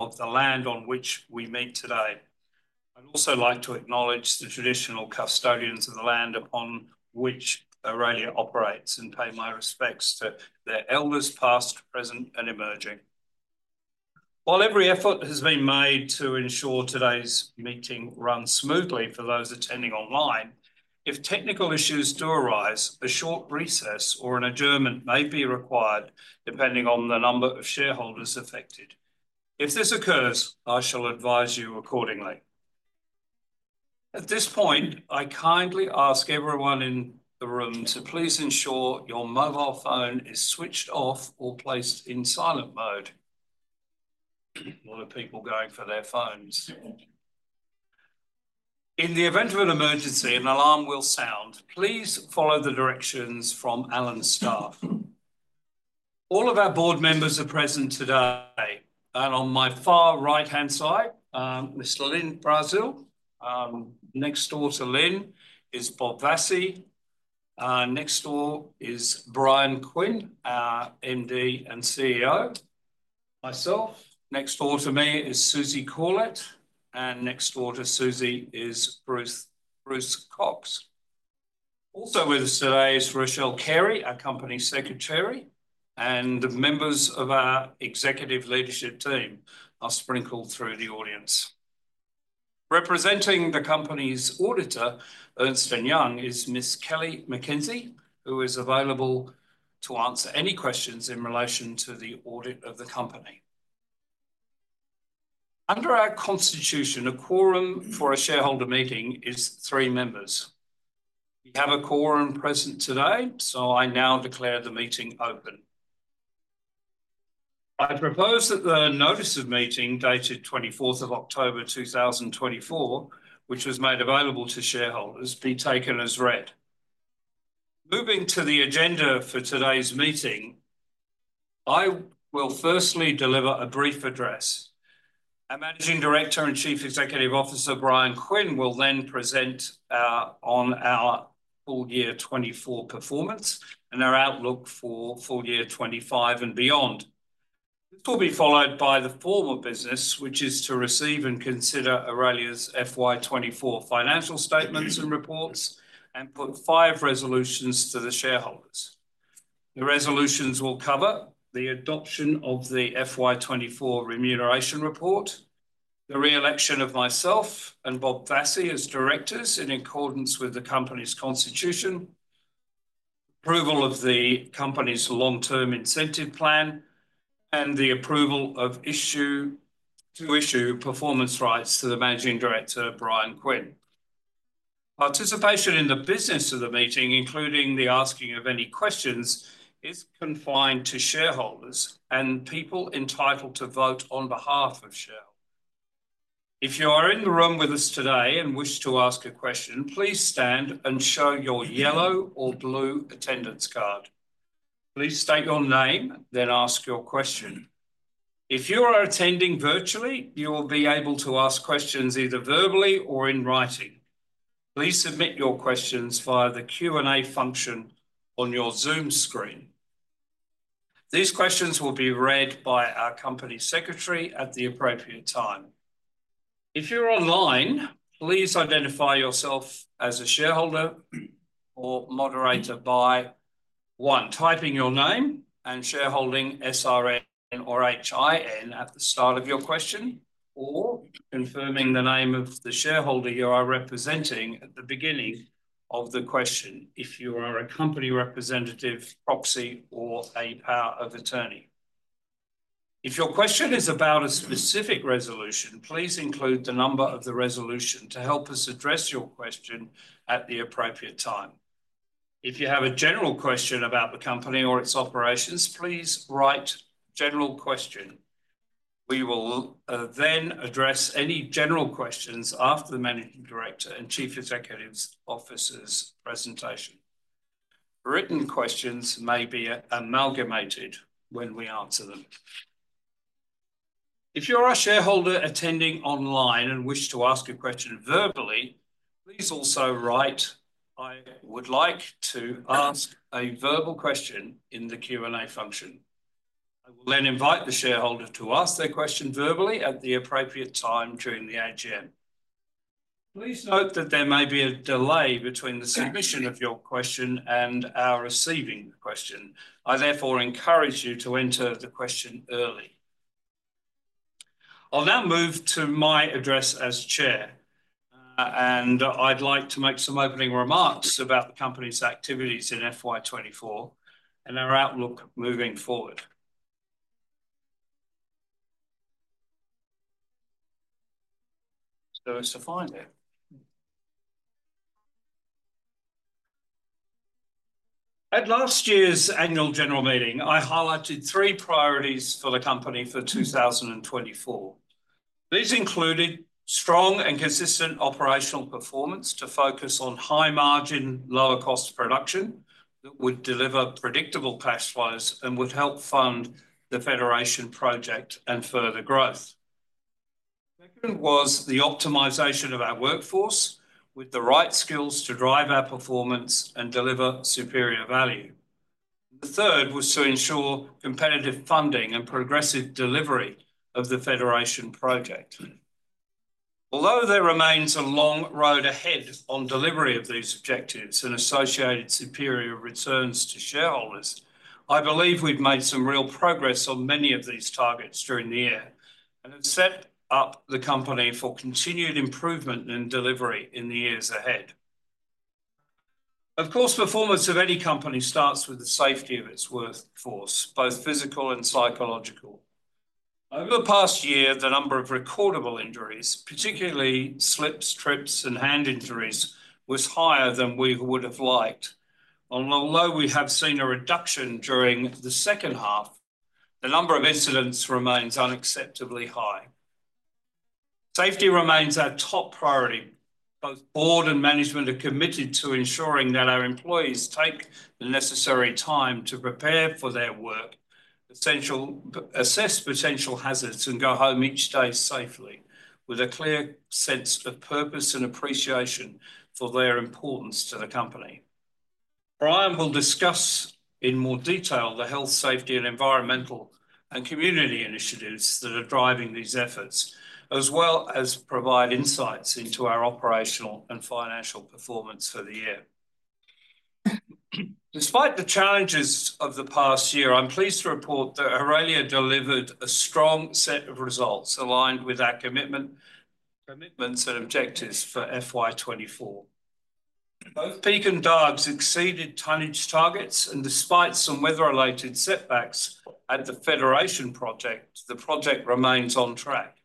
Of the land on which we meet today. I'd also like to acknowledge the traditional custodians of the land upon which Aurelia operates and pay my respects to their elders, past, present, and emerging. While every effort has been made to ensure today's meeting runs smoothly for those attending online, if technical issues do arise, a short recess or an adjournment may be required, depending on the number of shareholders affected. If this occurs, I shall advise you accordingly. At this point, I kindly ask everyone in the room to please ensure your mobile phone is switched off or placed in silent mode. A lot of people going for their phones. In the event of an emergency, an alarm will sound. Please follow the directions from Allens staff. All of our board members are present today, and on my far right-hand side, Mr. Lyn Brazil. Next door to Lyn is Bob Vassie. Next door is Bryan Quinn, our MD and CEO. Myself, next door to me is Susie Corlett, and next door to Susie is Bruce Cox. Also with us today is Rochelle Carey, our company secretary, and members of our executive leadership team. I'll sprinkle through the audience. Representing the company's auditor, Ernst & Young, is Miss Kelly McKenzie, who is available to answer any questions in relation to the audit of the company. Under our constitution, a quorum for a shareholder meeting is three members. We have a quorum present today, so I now declare the meeting open. I propose that the notice of meeting dated 24th of October 2024, which was made available to shareholders, be taken as read. Moving to the agenda for today's meeting, I will firstly deliver a brief address. Our Managing Director and Chief Executive Officer, Bryan Quinn, will then present on our full year 2024 performance and our outlook for full year 2025 and beyond. This will be followed by the form of business, which is to receive and consider Aurelia's FY24 financial statements and reports and put five resolutions to the shareholders. The resolutions will cover the adoption of the FY24 remuneration report, the re-election of myself and Bob Vassie as directors in accordance with the company's constitution, approval of the company's long-term incentive plan, and the approval of to issue performance rights to the Managing Director, Bryan Quinn. Participation in the business of the meeting, including the asking of any questions, is confined to shareholders and people entitled to vote on behalf of shareholders. If you are in the room with us today and wish to ask a question, please stand and show your yellow or blue attendance card. Please state your name, then ask your question. If you are attending virtually, you will be able to ask questions either verbally or in writing. Please submit your questions via the Q&A function on your Zoom screen. These questions will be read by our company secretary at the appropriate time. If you're online, please identify yourself as a shareholder or moderator by, one, typing your name and shareholding SRN or HIN at the start of your question, or confirming the name of the shareholder you are representing at the beginning of the question if you are a company representative, proxy, or a power of attorney. If your question is about a specific resolution, please include the number of the resolution to help us address your question at the appropriate time. If you have a general question about the company or its operations, please write "General Question." We will then address any general questions after the Managing Director and Chief Executive Officer's presentation. Written questions may be amalgamated when we answer them. If you are a shareholder attending online and wish to ask a question verbally, please also write, "I would like to ask a verbal question" in the Q&A function. I will then invite the shareholder to ask their question verbally at the appropriate time during the AGM. Please note that there may be a delay between the submission of your question and our receiving the question. I therefore encourage you to enter the question early. I'll now move to my address as Chair, and I'd like to make some opening remarks about the company's activities in FY24 and our outlook moving forward. So it's a fine day. At last year's annual general meeting, I highlighted three priorities for the company for 2024. These included strong and consistent operational performance to focus on high-margin, lower-cost production that would deliver predictable cash flows and would help fund the Federation project and further growth. Second was the optimization of our workforce with the right skills to drive our performance and deliver superior value. The third was to ensure competitive funding and progressive delivery of the Federation project. Although there remains a long road ahead on delivery of these objectives and associated superior returns to shareholders, I believe we've made some real progress on many of these targets during the year and have set up the company for continued improvement and delivery in the years ahead. Of course, performance of any company starts with the safety of its workforce, both physical and psychological. Over the past year, the number of recordable injuries, particularly slips, trips, and hand injuries, was higher than we would have liked. And although we have seen a reduction during the second half, the number of incidents remains unacceptably high. Safety remains our top priority. Both board and management are committed to ensuring that our employees take the necessary time to prepare for their work, assess potential hazards, and go home each day safely with a clear sense of purpose and appreciation for their importance to the company. Bryan will discuss in more detail the health, safety, and environmental and community initiatives that are driving these efforts, as well as provide insights into our operational and financial performance for the year. Despite the challenges of the past year, I'm pleased to report that Aurelia delivered a strong set of results aligned with our commitments and objectives for FY24. Both Peak and Dargues exceeded tonnage targets, and despite some weather-related setbacks at the Federation project, the project remains on track.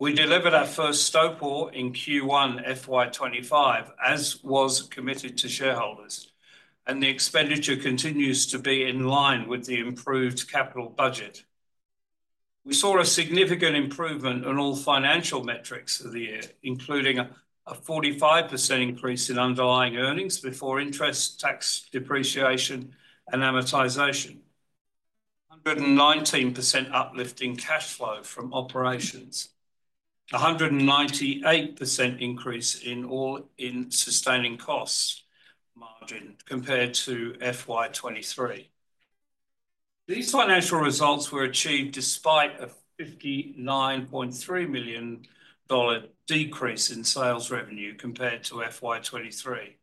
We delivered our first stope wall in Q1 FY25, as was committed to shareholders, and the expenditure continues to be in line with the improved capital budget. We saw a significant improvement in all financial metrics of the year, including a 45% increase in underlying earnings before interest, tax depreciation, and amortization, 119% uplift in cash flow from operations, a 198% increase in all-in sustaining costs margin compared to FY23. These financial results were achieved despite an 59.3 million dollar decrease in sales revenue compared to FY23,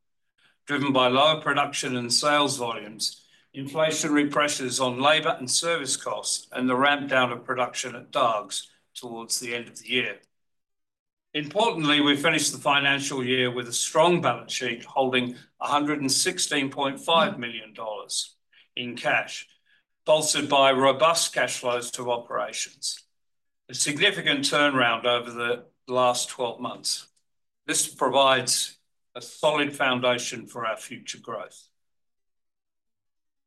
driven by lower production and sales volumes, inflationary pressures on labor and service costs, and the ramp down of production at Dargues towards the end of the year. Importantly, we finished the financial year with a strong balance sheet holding 116.5 million dollars in cash, bolstered by robust cash flows to operations, a significant turnaround over the last 12 months. This provides a solid foundation for our future growth.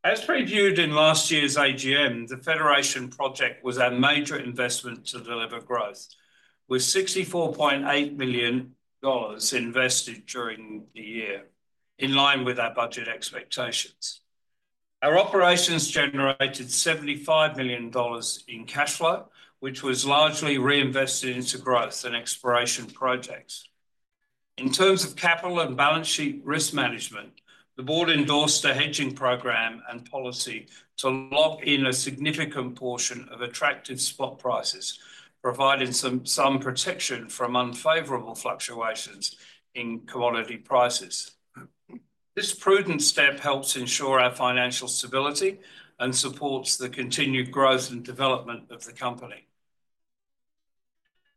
As previewed in last year's AGM, the Federation Project was our major investment to deliver growth, with 64.8 million dollars invested during the year, in line with our budget expectations. Our operations generated 75 million dollars in cash flow, which was largely reinvested into growth and exploration projects. In terms of capital and balance sheet risk management, the board endorsed a hedging program and policy to lock in a significant portion of attractive spot prices, providing some protection from unfavorable fluctuations in commodity prices. This prudent step helps ensure our financial stability and supports the continued growth and development of the company.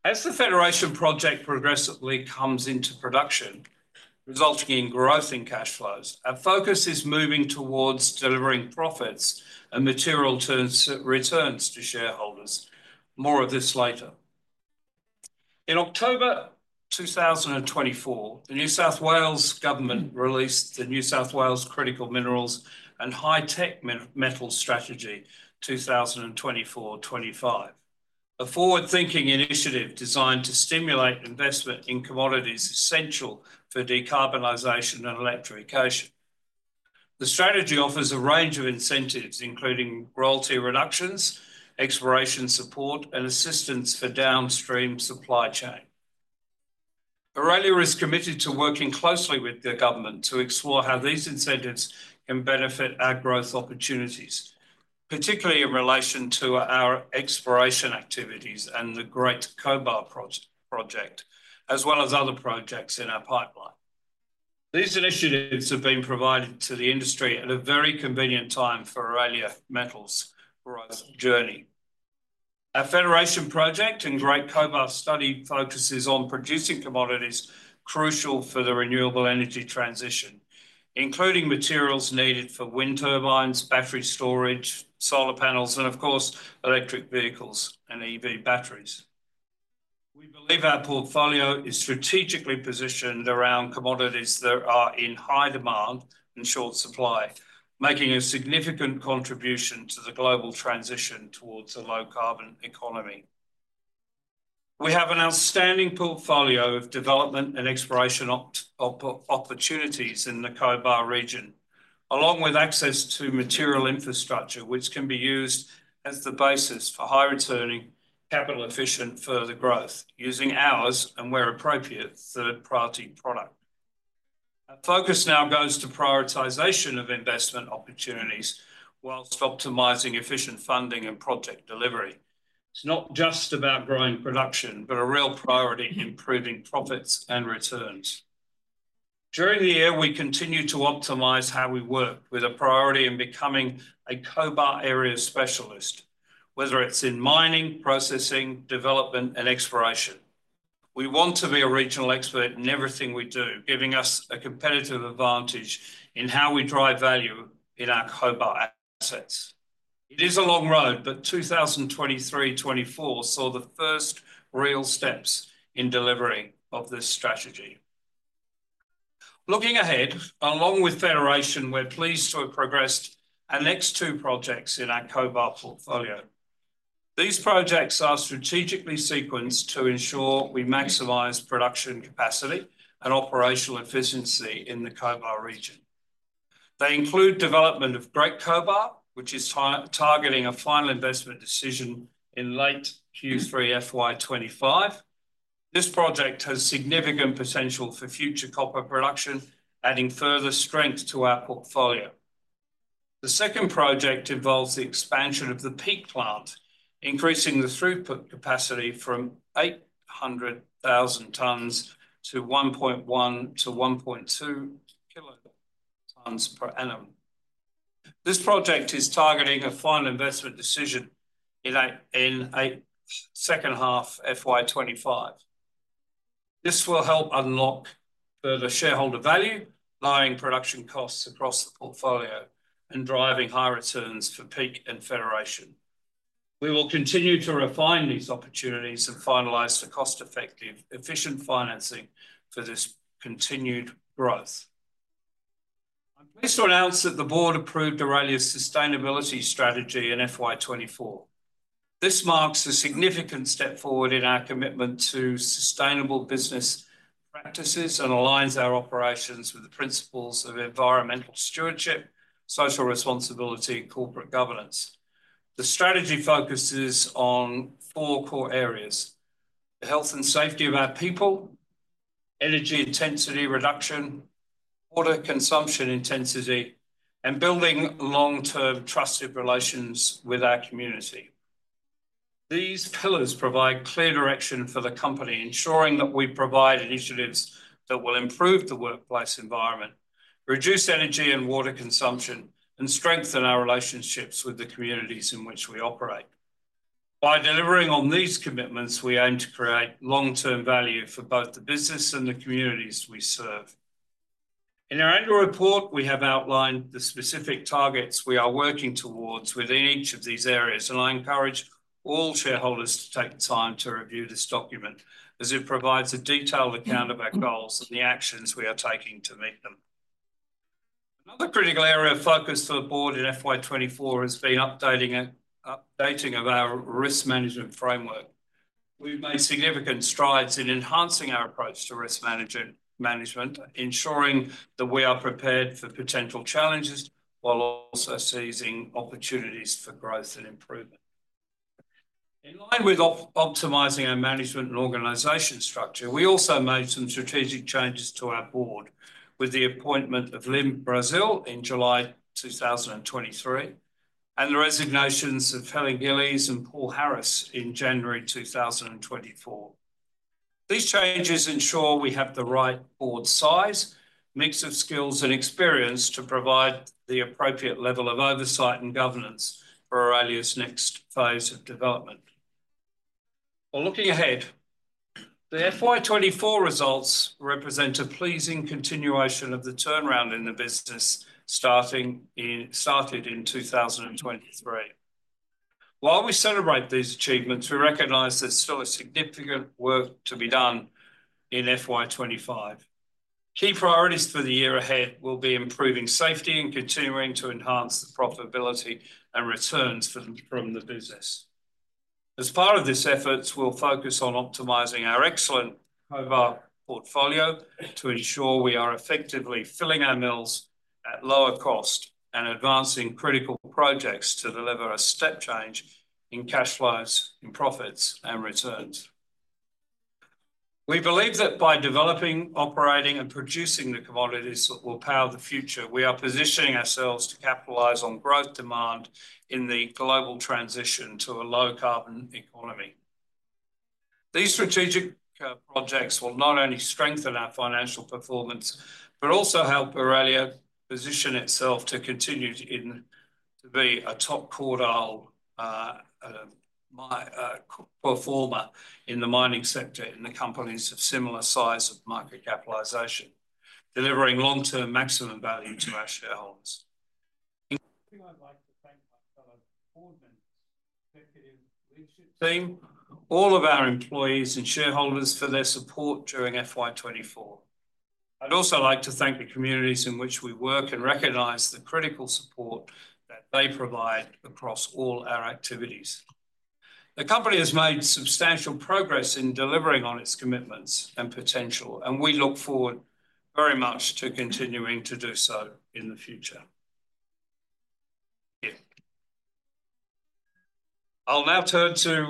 As the Federation Project progressively comes into production, resulting in growth in cash flows, our focus is moving towards delivering profits and material returns to shareholders. More of this later. In October 2024, the New South Wales government released the New South Wales Critical Minerals and High-Tech Metals Strategy 2024-25, a forward-thinking initiative designed to stimulate investment in commodities essential for decarbonization and electrification. The strategy offers a range of incentives, including royalty reductions, exploration support, and assistance for downstream supply chain. Aurelia is committed to working closely with the government to explore how these incentives can benefit our growth opportunities, particularly in relation to our exploration activities and the Great Cobar project, as well as other projects in our pipeline. These initiatives have been provided to the industry at a very convenient time for Aurelia Metals' journey. Our Federation project and Great Cobar study focuses on producing commodities crucial for the renewable energy transition, including materials needed for wind turbines, battery storage, solar panels, and of course, electric vehicles and EV batteries. We believe our portfolio is strategically positioned around commodities that are in high demand and short supply, making a significant contribution to the global transition towards a low-carbon economy. We have an outstanding portfolio of development and exploration opportunities in the Cobar region, along with access to material infrastructure, which can be used as the basis for high-returning, capital-efficient further growth, using ours, and where appropriate, third-party product. Our focus now goes to prioritization of investment opportunities whilst optimizing efficient funding and project delivery. It's not just about growing production, but a real priority in improving profits and returns. During the year, we continue to optimize how we work, with a priority in becoming a Cobar area specialist, whether it's in mining, processing, development, and exploration. We want to be a regional expert in everything we do, giving us a competitive advantage in how we drive value in our Cobar assets. It is a long road, but 2023-24 saw the first real steps in delivery of this strategy. Looking ahead, along with Federation, we're pleased to have progressed our next two projects in our Cobar portfolio. These projects are strategically sequenced to ensure we maximize production capacity and operational efficiency in the Cobar region. They include development of Great Cobar, which is targeting a final investment decision in late Q3 FY25. This project has significant potential for future copper production, adding further strength to our portfolio. The second project involves the expansion of the Peak plant, increasing the throughput capacity from 800,000 tons to 1.1-1.2 kilotons per annum. This project is targeting a final investment decision in the second half of FY25. This will help unlock further shareholder value, lowering production costs across the portfolio and driving high returns for Peak and Federation. We will continue to refine these opportunities and finalize the cost-effective, efficient financing for this continued growth. I'm pleased to announce that the board approved Aurelia's sustainability strategy in FY24. This marks a significant step forward in our commitment to sustainable business practices and aligns our operations with the principles of environmental stewardship, social responsibility, and corporate governance. The strategy focuses on four core areas: the health and safety of our people, energy intensity reduction, water consumption intensity, and building long-term trusted relations with our community. These pillars provide clear direction for the company, ensuring that we provide initiatives that will improve the workplace environment, reduce energy and water consumption, and strengthen our relationships with the communities in which we operate. By delivering on these commitments, we aim to create long-term value for both the business and the communities we serve. In our annual report, we have outlined the specific targets we are working towards within each of these areas, and I encourage all shareholders to take the time to review this document, as it provides a detailed account of our goals and the actions we are taking to meet them. Another critical area of focus for the board in FY24 has been updating our risk management framework. We've made significant strides in enhancing our approach to risk management, ensuring that we are prepared for potential challenges while also seizing opportunities for growth and improvement. In line with optimizing our management and organization structure, we also made some strategic changes to our board with the appointment of Lyn Brazil in July 2023 and the resignations of Helen Gillies and Paul Harris in January 2024. These changes ensure we have the right board size, mix of skills, and experience to provide the appropriate level of oversight and governance for Aurelia's next phase of development. Looking ahead, the FY24 results represent a pleasing continuation of the turnaround in the business started in 2023. While we celebrate these achievements, we recognize there's still significant work to be done in FY25. Key priorities for the year ahead will be improving safety and continuing to enhance the profitability and returns from the business. As part of this effort, we'll focus on optimizing our excellent Cobar portfolio to ensure we are effectively filling our mills at lower cost and advancing critical projects to deliver a step change in cash flows, in profits, and returns. We believe that by developing, operating, and producing the commodities that will power the future, we are positioning ourselves to capitalize on growth demand in the global transition to a low-carbon economy. These strategic projects will not only strengthen our financial performance, but also help Aurelia position itself to continue to be a top core performer in the mining sector in the companies of similar size of market capitalization, delivering long-term maximum value to our shareholders. I'd like to thank my fellow board members, executive leadership team, all of our employees, and shareholders for their support during FY24. I'd also like to thank the communities in which we work and recognize the critical support that they provide across all our activities. The company has made substantial progress in delivering on its commitments and potential, and we look forward very much to continuing to do so in the future. I'll now turn to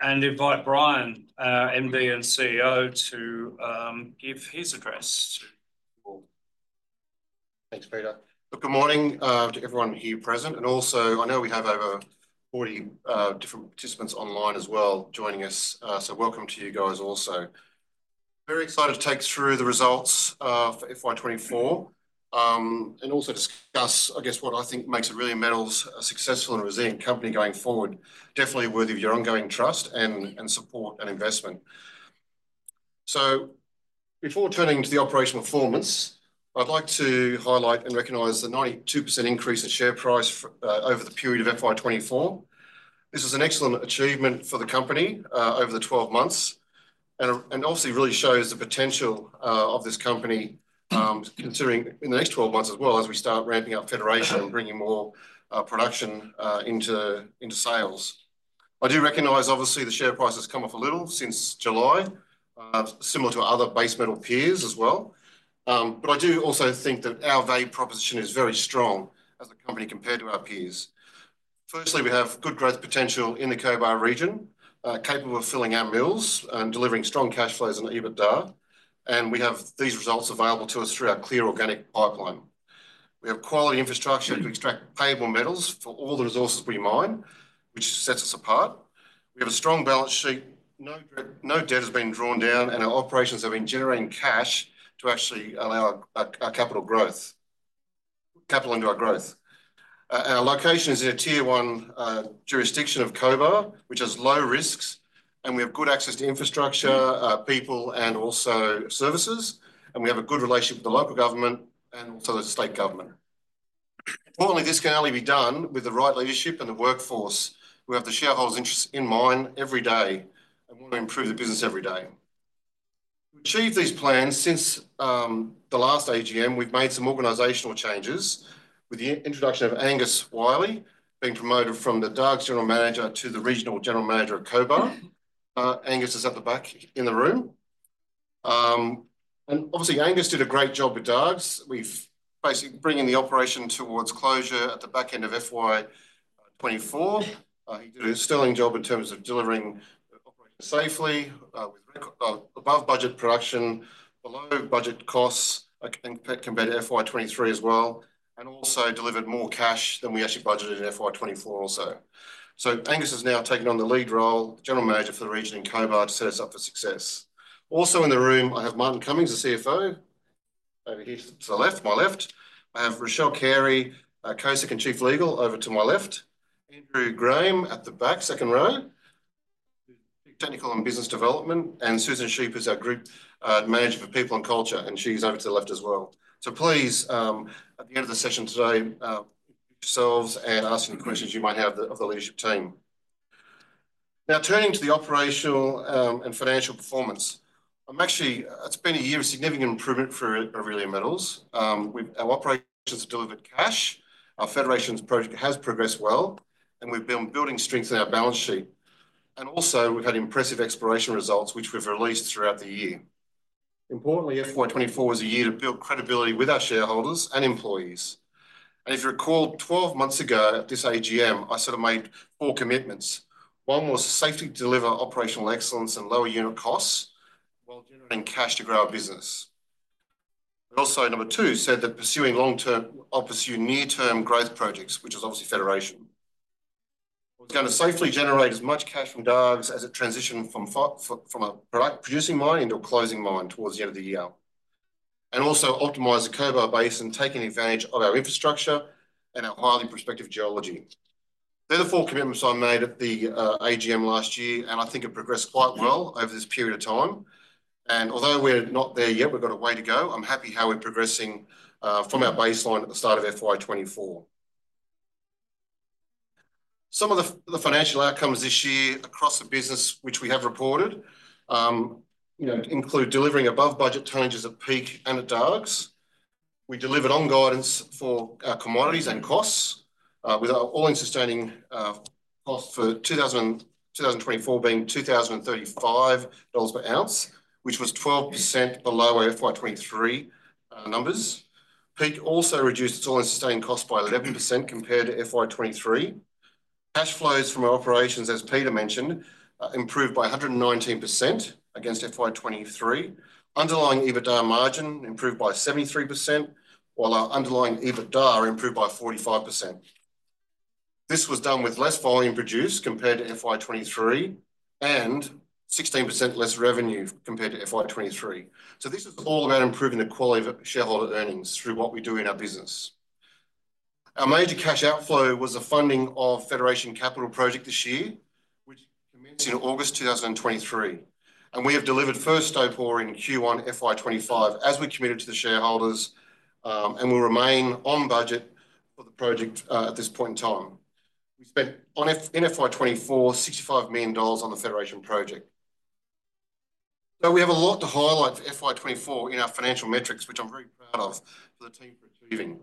and invite Bryan, MD and CEO, to give his address to the board. Thanks, Peter. Good morning to everyone here present, and also, I know we have over 40 different participants online as well joining us, so welcome to you guys also. Very excited to take through the results for FY24 and also discuss, I guess, what I think makes Aurelia Metals a successful and resilient company going forward, definitely worthy of your ongoing trust and support and investment. So before turning to the operational performance, I'd like to highlight and recognize the 92% increase in share price over the period of FY24. This is an excellent achievement for the company over the 12 months and obviously really shows the potential of this company, considering in the next 12 months as well, as we start ramping up Federation and bringing more production into sales. I do recognize, obviously, the share price has come up a little since July, similar to other base metal peers as well. But I do also think that our value proposition is very strong as a company compared to our peers. Firstly, we have good growth potential in the Cobar region, capable of filling our mills and delivering strong cash flows and EBITDA. And we have these results available to us through our clear organic pipeline. We have quality infrastructure to extract payable metals for all the resources we mine, which sets us apart. We have a strong balance sheet. No debt has been drawn down, and our operations have been generating cash to actually allow our capital growth, capital into our growth. Our location is in a tier one jurisdiction of Cobar, which has low risks, and we have good access to infrastructure, people, and also services. And we have a good relationship with the local government and also the state government. Importantly, this can only be done with the right leadership and the workforce. We have the shareholders' interests in mind every day and want to improve the business every day. To achieve these plans since the last AGM, we've made some organizational changes with the introduction of Angus Wyllie being promoted from the Dargues general manager to the regional general manager of Cobar. Angus is at the back in the room, and obviously, Angus did a great job with Dargues. We've basically been bringing the operation towards closure at the back end of FY24. He did a stellar job in terms of delivering operations safely with above budget production, below budget costs, compared to FY23 as well, and also delivered more cash than we actually budgeted in FY24 also, so Angus has now taken on the lead role, general manager for the region in Cobar, to set us up for success. Also in the room, I have Martin Cummings, the CFO, over here to the left, my left. I have Rochelle Carey, co-sec and chief legal over to my left. Andrew Graham at the back, second row, technical and business development, and Susan Scheepers is our group manager for people and culture, and she's over to the left as well. So please, at the end of the session today, introduce yourselves and ask any questions you might have of the leadership team. Now, turning to the operational and financial performance, it's been a year of significant improvement for Aurelia Metals. Our operations have delivered cash, our Federation's project has progressed well, and we've been building strength in our balance sheet. And also, we've had impressive exploration results, which we've released throughout the year. Importantly, FY24 was a year to build credibility with our shareholders and employees. And if you recall, 12 months ago at this AGM, I sort of made four commitments. One was safely to deliver operational excellence and lower unit costs while generating cash to grow our business. Also, number two said that pursuing long-term or pursue near-term growth projects, which is obviously Federation. It was going to safely generate as much cash from Dargues as it transitioned from a producing mine into a closing mine towards the end of the year. And also optimize the Cobar Basin and taking advantage of our infrastructure and our highly prospective geology. They're the four commitments I made at the AGM last year, and I think it progressed quite well over this period of time. And although we're not there yet, we've got a way to go, I'm happy how we're progressing from our baseline at the start of FY24. Some of the financial outcomes this year across the business, which we have reported, include delivering above budget challenges at Peak and at Dargues. We delivered on guidance for our commodities and costs, with all in sustaining costs for 2024 being 2,035 dollars per ounce, which was 12% below our FY23 numbers. Peak also reduced its all-in sustaining cost by 11% compared to FY23. Cash flows from our operations, as Peter mentioned, improved by 119% against FY23. Underlying EBITDA margin improved by 73%, while our underlying EBITDA improved by 45%. This was done with less volume produced compared to FY23 and 16% less revenue compared to FY23. So this is all about improving the quality of shareholder earnings through what we do in our business. Our major cash outflow was the funding of Federation capital project this year, which commenced in August 2023. And we have delivered first stope ore in Q1 FY25 as we committed to the shareholders and will remain on budget for the project at this point in time. We spent in FY24 AUD 65 million on the Federation project. We have a lot to highlight for FY24 in our financial metrics, which I'm very proud of for the team for achieving.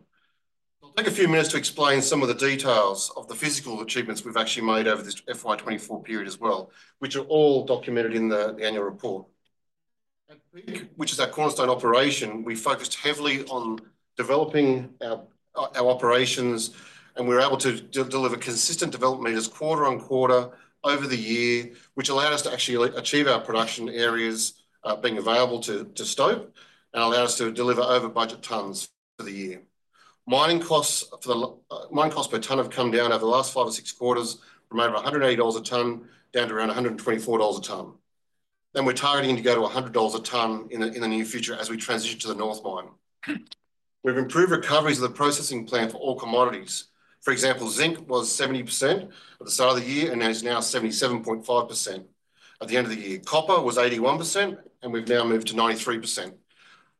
I'll take a few minutes to explain some of the details of the physical achievements we've actually made over this FY24 period as well, which are all documented in the annual report. At Peak, which is our cornerstone operation, we focused heavily on developing our operations, and we were able to deliver consistent development meters quarter on quarter over the year, which allowed us to actually achieve our production areas being available to stope and allowed us to deliver over budget tons for the year. Mining costs per ton have come down over the last five or six quarters, from over 180 dollars a ton down to around 124 dollars a ton. We're targeting to go to 100 dollars a ton in the near future as we transition to the north mine. We've improved recoveries of the processing plant for all commodities. For example, zinc was 70% at the start of the year and is now 77.5% at the end of the year. Copper was 81%, and we've now moved to 93%.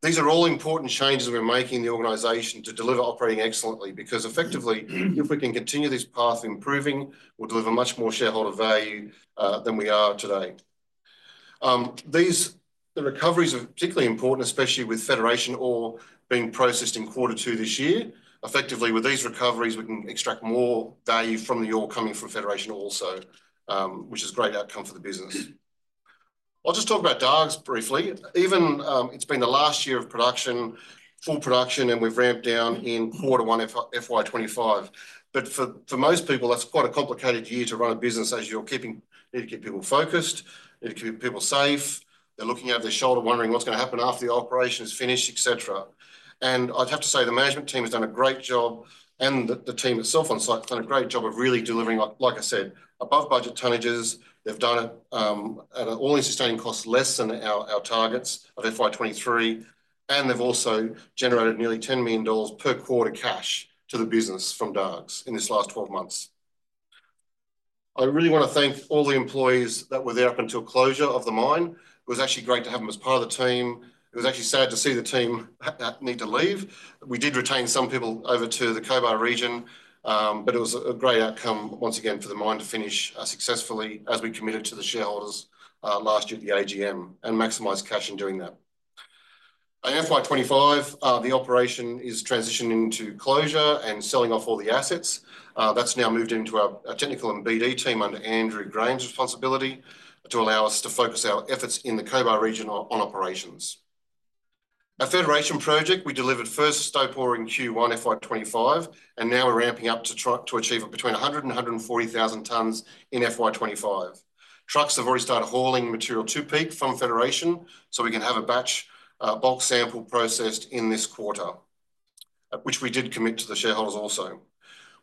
These are all important changes we're making in the organization to deliver operating excellence because effectively, if we can continue this path of improving, we'll deliver much more shareholder value than we are today. The recoveries are particularly important, especially with Federation ore being processed in quarter two this year. Effectively, with these recoveries, we can extract more value from the ore coming from Federation also, which is a great outcome for the business. I'll just talk about Dargues briefly. It's been the last year of production, full production, and we've ramped down in quarter one of FY25, but for most people, that's quite a complicated year to run a business as you need to keep people focused, need to keep people safe. They're looking over their shoulder wondering what's going to happen after the operation is finished, etc. And I'd have to say the management team has done a great job and the team itself on site has done a great job of really delivering, like I said, above budget tonnages. They've done it at all-in sustaining costs less than our targets of FY23, and they've also generated nearly 10 million dollars per quarter cash to the business from Dargues in this last 12 months. I really want to thank all the employees that were there up until closure of the mine. It was actually great to have them as part of the team. It was actually sad to see the team need to leave. We did retain some people over to the Cobar region, but it was a great outcome once again for the mine to finish successfully as we committed to the shareholders last year at the AGM and maximize cash in doing that. In FY25, the operation is transitioning to closure and selling off all the assets. That's now moved into our technical and BD team under Andrew Graham's responsibility to allow us to focus our efforts in the Cobar region on operations. Our Federation project, we delivered first stope ore in Q1 FY25, and now we're ramping up to achieve between 100 and 140,000 tons in FY25. Trucks have already started hauling material to Peak from Federation, so we can have a batch bulk sample processed in this quarter, which we did commit to the shareholders also.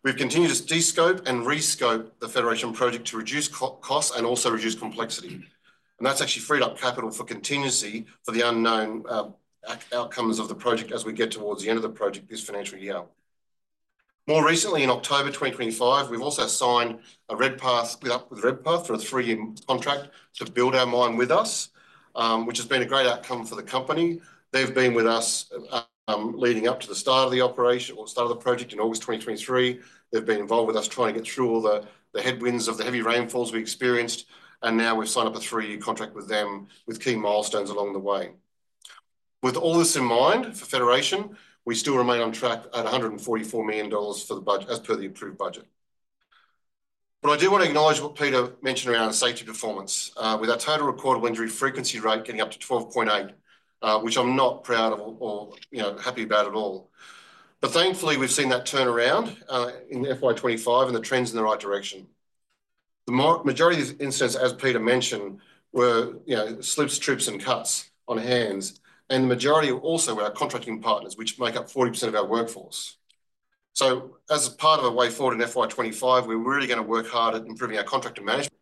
We've continued to descope and rescope the Federation project to reduce costs and also reduce complexity, and that's actually freed up capital for contingency for the unknown outcomes of the project as we get towards the end of the project this financial year. More recently, in October 2025, we've also signed a Redpath with Redpath for a three-year contract to build our mine with us, which has been a great outcome for the company. They've been with us leading up to the start of the operation or start of the project in August 2023. They've been involved with us trying to get through all the headwinds of the heavy rainfalls we experienced. And now we've signed up a three-year contract with them with key milestones along the way. With all this in mind for Federation, we still remain on track at 144 million dollars for the budget as per the approved budget. But I do want to acknowledge what Peter mentioned around safety performance, with our total recorded injury frequency rate getting up to 12.8, which I'm not proud of or happy about at all. But thankfully, we've seen that turn around in FY25 and the trends in the right direction. The majority of these incidents, as Peter mentioned, were slips, trips, and cuts on hands. And the majority are also with our contracting partners, which make up 40% of our workforce. So as part of the way forward in FY25, we're really going to work hard at improving our contracting management,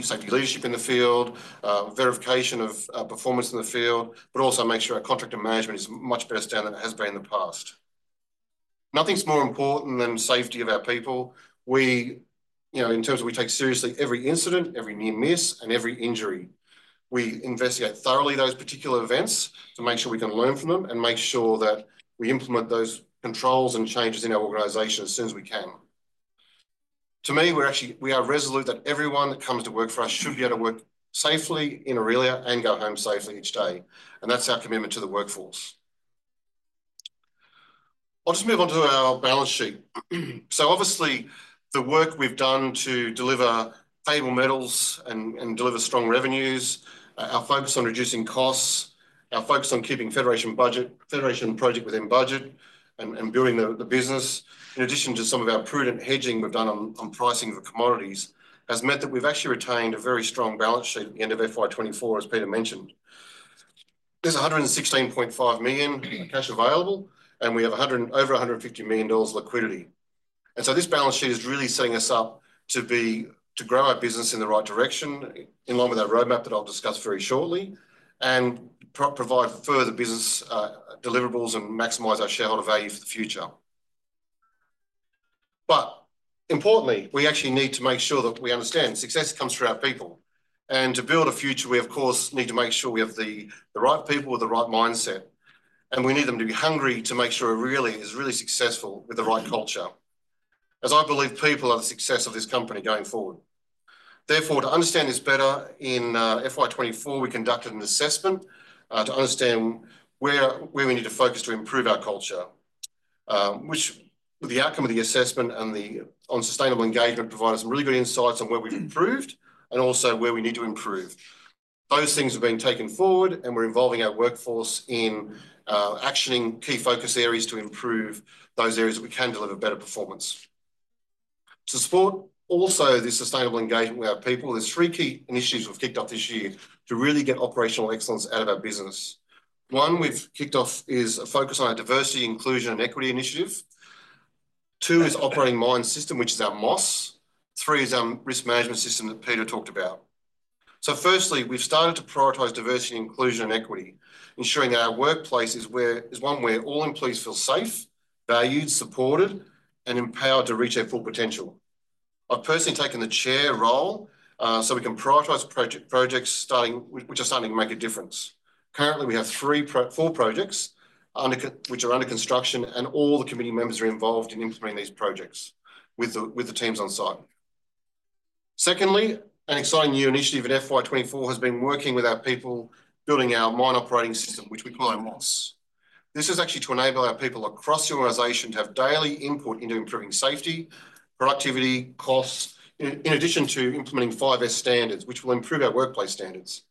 safety leadership in the field, verification of performance in the field, but also make sure our contracting management is much better standard than it has been in the past. Nothing's more important than safety of our people. In terms of, we take seriously every incident, every near miss, and every injury. We investigate thoroughly those particular events to make sure we can learn from them and make sure that we implement those controls and changes in our organization as soon as we can. To me, we are resolute that everyone that comes to work for us should be able to work safely in Aurelia and go home safely each day. And that's our commitment to the workforce. I'll just move on to our balance sheet. So obviously, the work we've done to deliver payable metals and deliver strong revenues, our focus on reducing costs, our focus on keeping Federation project within budget, and building the business, in addition to some of our prudent hedging we've done on pricing of commodities, has meant that we've actually retained a very strong balance sheet at the end of FY24, as Peter mentioned. There's 116.5 million cash available, and we have over 150 million dollars liquidity. And so this balance sheet is really setting us up to grow our business in the right direction in line with our roadmap that I'll discuss very shortly and provide further business deliverables and maximize our shareholder value for the future. But importantly, we actually need to make sure that we understand success comes through our people. And to build a future, we, of course, need to make sure we have the right people with the right mindset. And we need them to be hungry to make sure Aurelia is really successful with the right culture, as I believe people are the success of this company going forward. Therefore, to understand this better in FY24, we conducted an assessment to understand where we need to focus to improve our culture, which the outcome of the assessment and the sustainable engagement provided some really good insights on where we've improved and also where we need to improve. Those things have been taken forward, and we're involving our workforce in actioning key focus areas to improve those areas that we can deliver better performance. To support also this sustainable engagement with our people, there's three key initiatives we've kicked off this year to really get operational excellence out of our business. One, we've kicked off is a focus on our diversity, inclusion, and equity initiative. Two is operating mine system, which is our MOS. Three is our risk management system that Peter talked about. So firstly, we've started to prioritize diversity, inclusion, and equity, ensuring that our workplace is one where all employees feel safe, valued, supported, and empowered to reach their full potential. I've personally taken the chair role so we can prioritize projects which are starting to make a difference. Currently, we have four projects which are under construction, and all the committee members are involved in implementing these projects with the teams on site. Secondly, an exciting new initiative in FY24 has been working with our people building our Mine Operating System, which we call our MOS. This is actually to enable our people across the organization to have daily input into improving safety, productivity, costs, in addition to implementing 5S standards, which will improve our workplace standards.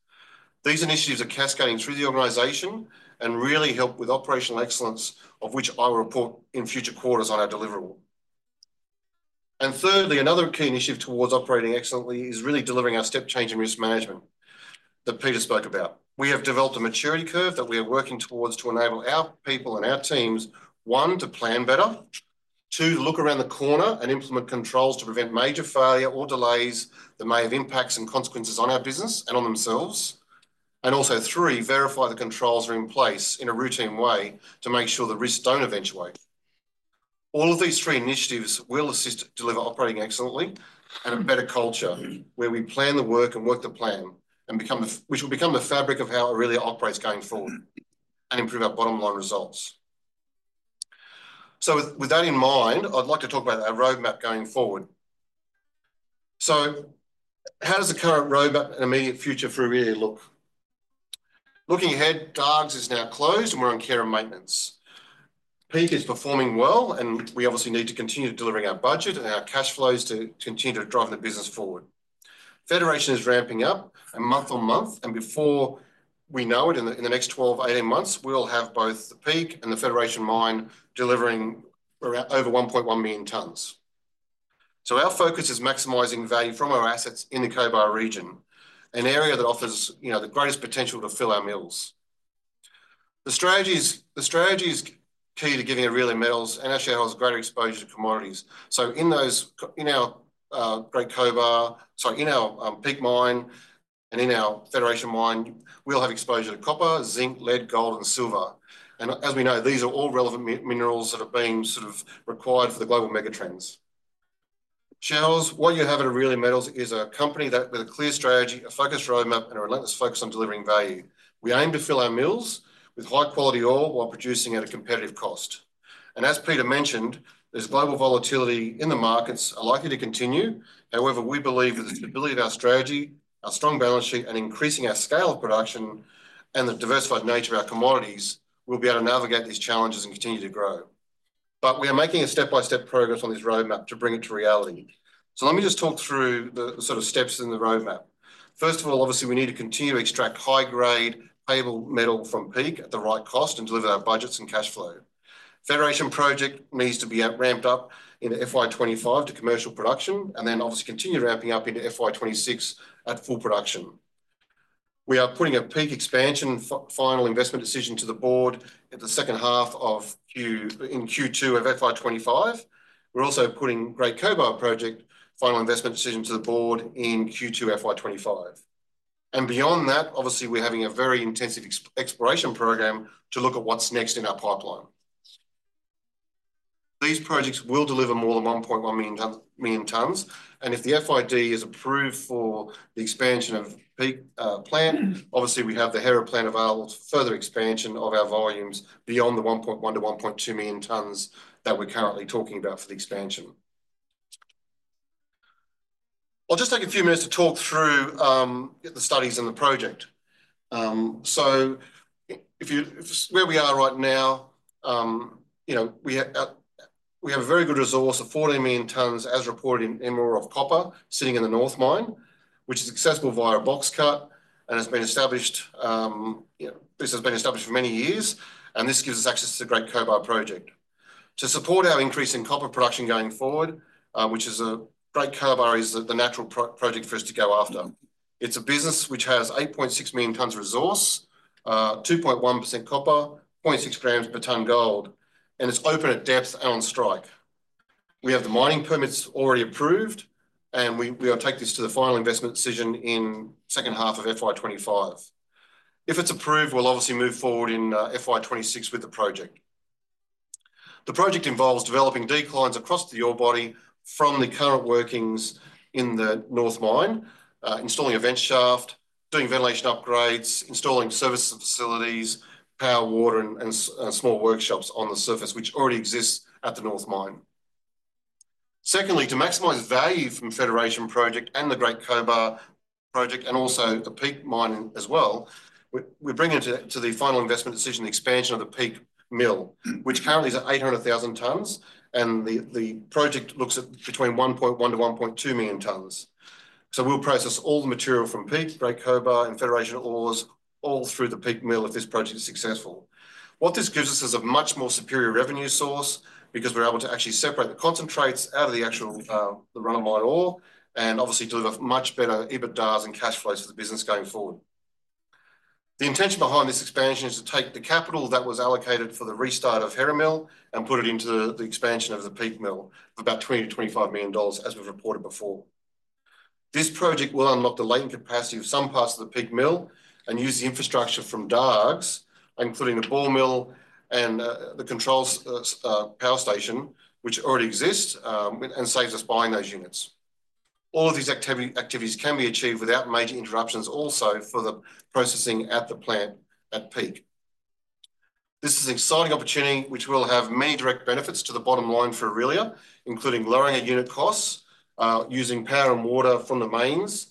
These initiatives are cascading through the organization and really help with operational excellence, of which I will report in future quarters on our deliverable, and thirdly, another key initiative towards operating excellently is really delivering our step-changing risk management that Peter spoke about. We have developed a maturity curve that we are working towards to enable our people and our teams, one, to plan better, two, to look around the corner and implement controls to prevent major failure or delays that may have impacts and consequences on our business and on themselves, and also, three, verify the controls are in place in a routine way to make sure the risks don't eventuate. All of these three initiatives will assist to deliver operating excellently and a better culture where we plan the work and work the plan, which will become the fabric of how Aurelia operates going forward and improve our bottom line results. So with that in mind, I'd like to talk about our roadmap going forward. So how does the current roadmap and immediate future for Aurelia look? Looking ahead, Dargues is now closed, and we're on care and maintenance. Peak is performing well, and we obviously need to continue to deliver our budget and our cash flows to continue to drive the business forward. Federation is ramping up month on month, and before we know it, in the next 12, 18 months, we'll have both the Peak and the Federation mine delivering over 1.1 million tons. So our focus is maximizing value from our assets in the Cobar region, an area that offers the greatest potential to fill our mills. The strategy is key to giving Aurelia Metals and our shareholders greater exposure to commodities. So in our Great Cobar, sorry, in our Peak Mine and in our Federation mine, we'll have exposure to copper, zinc, lead, gold, and silver. And as we know, these are all relevant minerals that have been sort of required for the global megatrends. Shareholders, what you have at Aurelia Metals is a company with a clear strategy, a focused roadmap, and a relentless focus on delivering value. We aim to fill our mills with high-quality ore while producing at a competitive cost, and as Peter mentioned, there's global volatility in the markets likely to continue. However, we believe that the stability of our strategy, our strong balance sheet, and increasing our scale of production and the diversified nature of our commodities will be able to navigate these challenges and continue to grow, but we are making a step-by-step progress on this roadmap to bring it to reality, so let me just talk through the sort of steps in the roadmap. First of all, obviously, we need to continue to extract high-grade payable metal from Peak at the right cost and deliver our budgets and cash flow. Federation project needs to be ramped up in FY25 to commercial production and then obviously continue ramping up into FY26 at full production. We are putting a Peak expansion final investment decision to the board in the second half of Q2 of FY25. We're also putting Great Cobar project final investment decision to the board in Q2 FY25, and beyond that, obviously, we're having a very intensive exploration program to look at what's next in our pipeline. These projects will deliver more than 1.1 million tons, and if the FID is approved for the expansion of Peak plant, obviously, we have the Hera plant available to further expansion of our volumes beyond the 1.1-1.2 million tons that we're currently talking about for the expansion. I'll just take a few minutes to talk through the studies and the project. So where we are right now, we have a very good resource of 14 million tons, as reported indicated of copper, sitting in the north mine, which is accessible via a box cut. This has been established for many years. This gives us access to the Great Cobar project. To support our increasing copper production going forward, which is the Great Cobar, is the natural project for us to go after. It's a business which has 8.6 million tons of resource, 2.1% copper, 0.6 grams per ton gold, and it's open at depth and on strike. We have the mining permits already approved, and we will take this to the final investment decision in the second half of FY25. If it's approved, we'll obviously move forward in FY26 with the project. The project involves developing declines across the ore body from the current workings in the north mine, installing a vent shaft, doing ventilation upgrades, installing service facilities, power, water, and small workshops on the surface, which already exists at the north mine. Secondly, to maximize value from the Federation project and the Great Cobar project and also the Peak Mine as well, we're bringing it to the final investment decision, the expansion of the Peak mill, which currently is at 800,000 tons, and the project looks at between 1.1-1.2 million tons, so we'll process all the material from Peak, Great Cobar, and Federation ores all through the Peak mill if this project is successful. What this gives us is a much more superior revenue source because we're able to actually separate the concentrates out of the actual run-of-mine ore and obviously deliver much better EBITDAs and cash flows for the business going forward. The intention behind this expansion is to take the capital that was allocated for the restart of Hera mill and put it into the expansion of the Peak mill of about 20 million-25 million dollars as we've reported before. This project will unlock the latent capacity of some parts of the Peak mill and use the infrastructure from Dargues, including the ball mill and the control power station, which already exists, and saves us buying those units. All of these activities can be achieved without major interruptions also for the processing at the plant at Peak. This is an exciting opportunity which will have many direct benefits to the bottom line for Aurelia, including lowering our unit costs, using power and water from the mains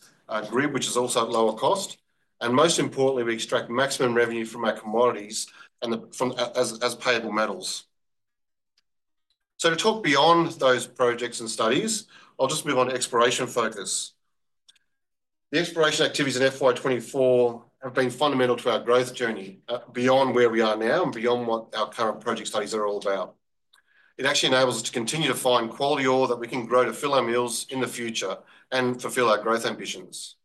grid, which is also at lower cost, and most importantly, we extract maximum revenue from our commodities as payable metals. So to talk beyond those projects and studies, I'll just move on to exploration focus. The exploration activities in FY24 have been fundamental to our growth journey beyond where we are now and beyond what our current project studies are all about. It actually enables us to continue to find quality ore that we can grow to fill our mills in the future and fulfill our growth ambitions,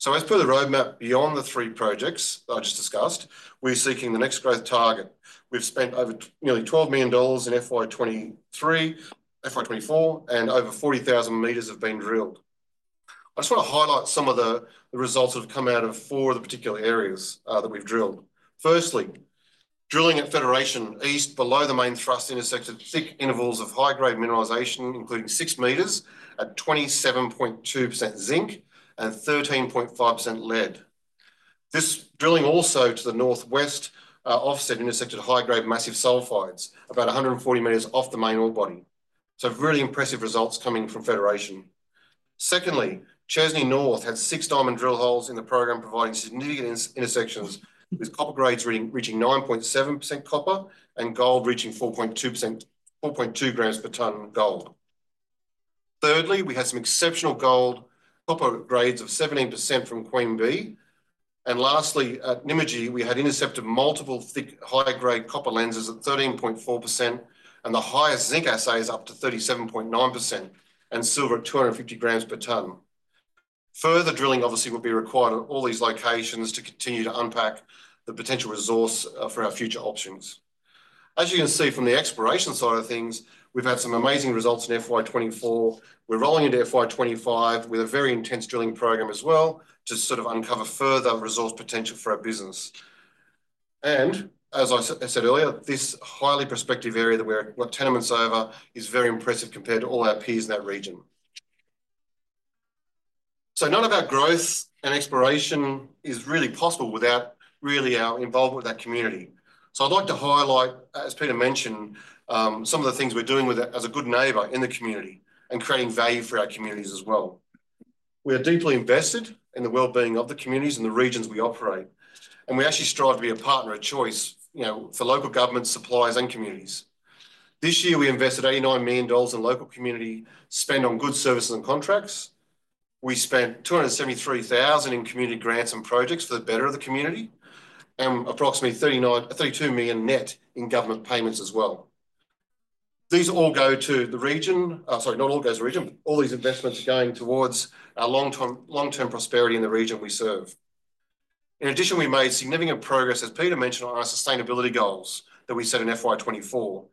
so as per the roadmap beyond the three projects I just discussed, we're seeking the next growth target. We've spent over nearly 12 million dollars in FY24, and over 40,000 meters have been drilled. I just want to highlight some of the results that have come out of four of the particular areas that we've drilled. Firstly, drilling at Federation East below the main thrust intersected thick intervals of high-grade mineralization, including six meters at 27.2% zinc and 13.5% lead. This drilling also to the northwest offset intersected high-grade massive sulfides about 140 meters off the main ore body. So really impressive results coming from Federation. Secondly, Chesney North had six diamond drill holes in the program providing significant intersections with copper grades reaching 9.7% copper and gold reaching 4.2 grams per ton gold. Thirdly, we had some exceptional gold copper grades of 17% from Queen Bee. And lastly, at Nymagee, we had intercepted multiple thick high-grade copper lenses at 13.4%, and the highest zinc assay is up to 37.9% and silver at 250 grams per ton. Further drilling, obviously, will be required at all these locations to continue to unpack the potential resource for our future options. As you can see from the exploration side of things, we've had some amazing results in FY24. We're rolling into FY25 with a very intense drilling program as well to sort of uncover further resource potential for our business, and as I said earlier, this highly prospective area that we're, what, 10 months over is very impressive compared to all our peers in that region, so none of our growth and exploration is really possible without really our involvement with our community, so I'd like to highlight, as Peter mentioned, some of the things we're doing as a good neighbor in the community and creating value for our communities as well. We are deeply invested in the well-being of the communities and the regions we operate. We actually strive to be a partner of choice for local governments, suppliers, and communities. This year, we invested 89 million dollars in local community spend on goods and services and contracts. We spent 273,000 in community grants and projects for the benefit of the community and approximately 32 million net in government payments as well. These all go to the region. Sorry, not all go to the region, but all these investments are going towards our long-term prosperity in the region we serve. In addition, we made significant progress, as Peter mentioned, on our sustainability goals that we set in FY24.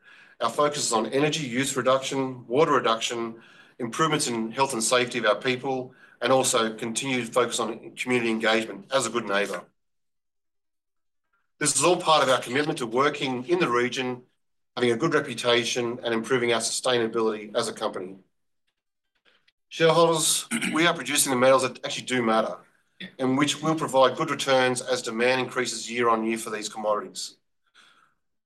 Our focus is on energy use reduction, water reduction, improvements in health and safety of our people, and also continued focus on community engagement as a good neighbor. This is all part of our commitment to working in the region, having a good reputation, and improving our sustainability as a company. Shareholders, we are producing the metals that actually do matter and which will provide good returns as demand increases year on year for these commodities.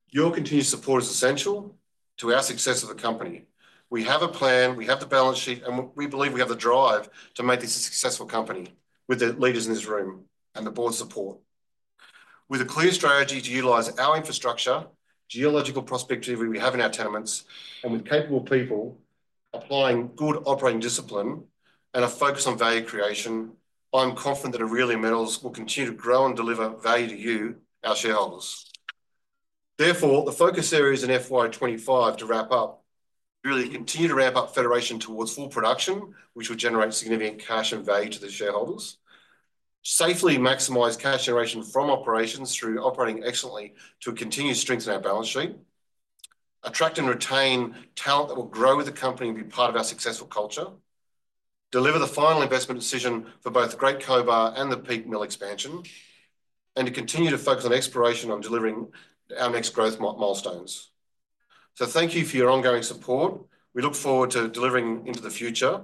Your continued support is essential to our success as a company. We have a plan. We have the balance sheet, and we believe we have the drive to make this a successful company with the leaders in this room and the board's support. With a clear strategy to utilize our infrastructure, geological prospectivity we have in our tenements, and with capable people applying good operating discipline and a focus on value creation, I'm confident that Aurelia Metals will continue to grow and deliver value to you, our shareholders. Therefore, the focus areas in FY25 to wrap up really continue to ramp up Federation towards full production, which will generate significant cash and value to the shareholders. Safely maximize cash generation from operations through operating excellently to continue to strengthen our balance sheet. Attract and retain talent that will grow with the company and be part of our successful culture. Deliver the final investment decision for both Great Cobar and the Peak mill expansion, and to continue to focus on exploration on delivering our next growth milestones. So thank you for your ongoing support. We look forward to delivering into the future.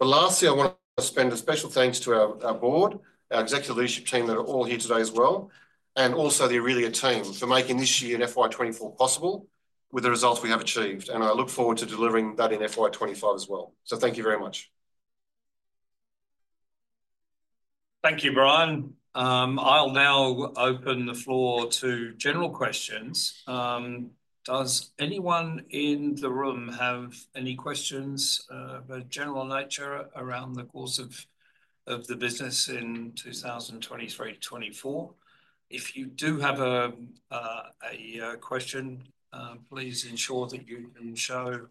But lastly, I want to send a special thanks to our board, our executive leadership team that are all here today as well, and also the Aurelia team for making this year in FY24 possible with the results we have achieved. And I look forward to delivering that in FY25 as well. So thank you very much. Thank you, Bryan. I'll now open the floor to general questions. Does anyone in the room have any questions of a general nature around the course of the business in 2023-24? If you do have a question, please ensure that you can show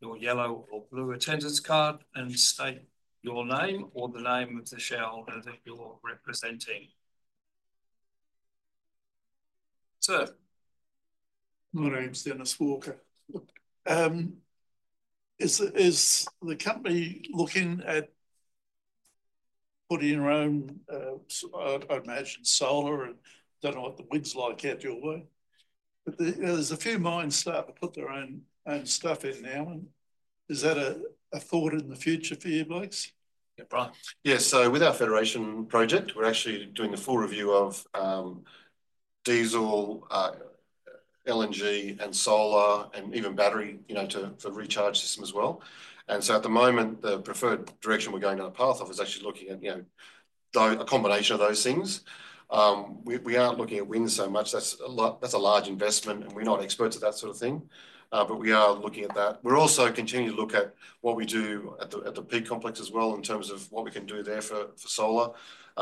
your yellow or blue attendance card and state your name or the name of the shareholder that you're representing. Sir. My name's Dennis Walker. Is the company looking at putting your own, I'd imagine, solar? I don't know what the wind's like out your way. But there's a few mines starting to put their own stuff in now. Is that a thought in the future for you folks? Yeah, Bryan. Yeah. So with our Federation project, we're actually doing the full review of diesel, LNG, and solar, and even battery for recharge system as well. And so at the moment, the preferred direction we're going down the path of is actually looking at a combination of those things. We aren't looking at wind so much. That's a large investment, and we're not experts at that sort of thing. But we are looking at that. We're also continuing to look at what we do at the Peak complex as well in terms of what we can do there for solar.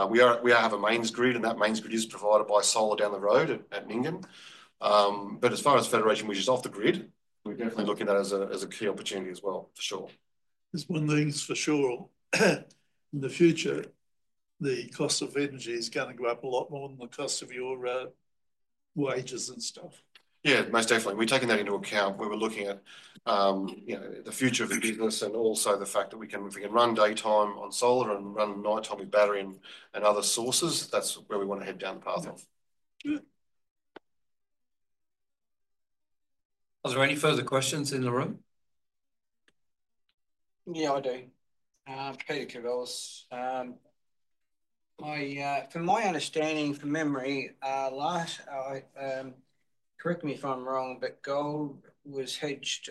We have a mains grid, and that mains grid is provided by solar down the road at Nyngan. But as far as Federation, which is off the grid, we're definitely looking at that as a key opportunity as well, for sure. There's one thing for sure. In the future, the cost of energy is going to go up a lot more than the cost of your wages and stuff. Yeah, most definitely. We're taking that into account where we're looking at the future of the business and also the fact that we can run daytime on solar and run nighttime with battery and other sources. That's where we want to head down the path of. Are there any further questions in the room? Yeah, I do. Peter Crivels. From my understanding, from memory, last, correct me if I'm wrong, but gold was hedged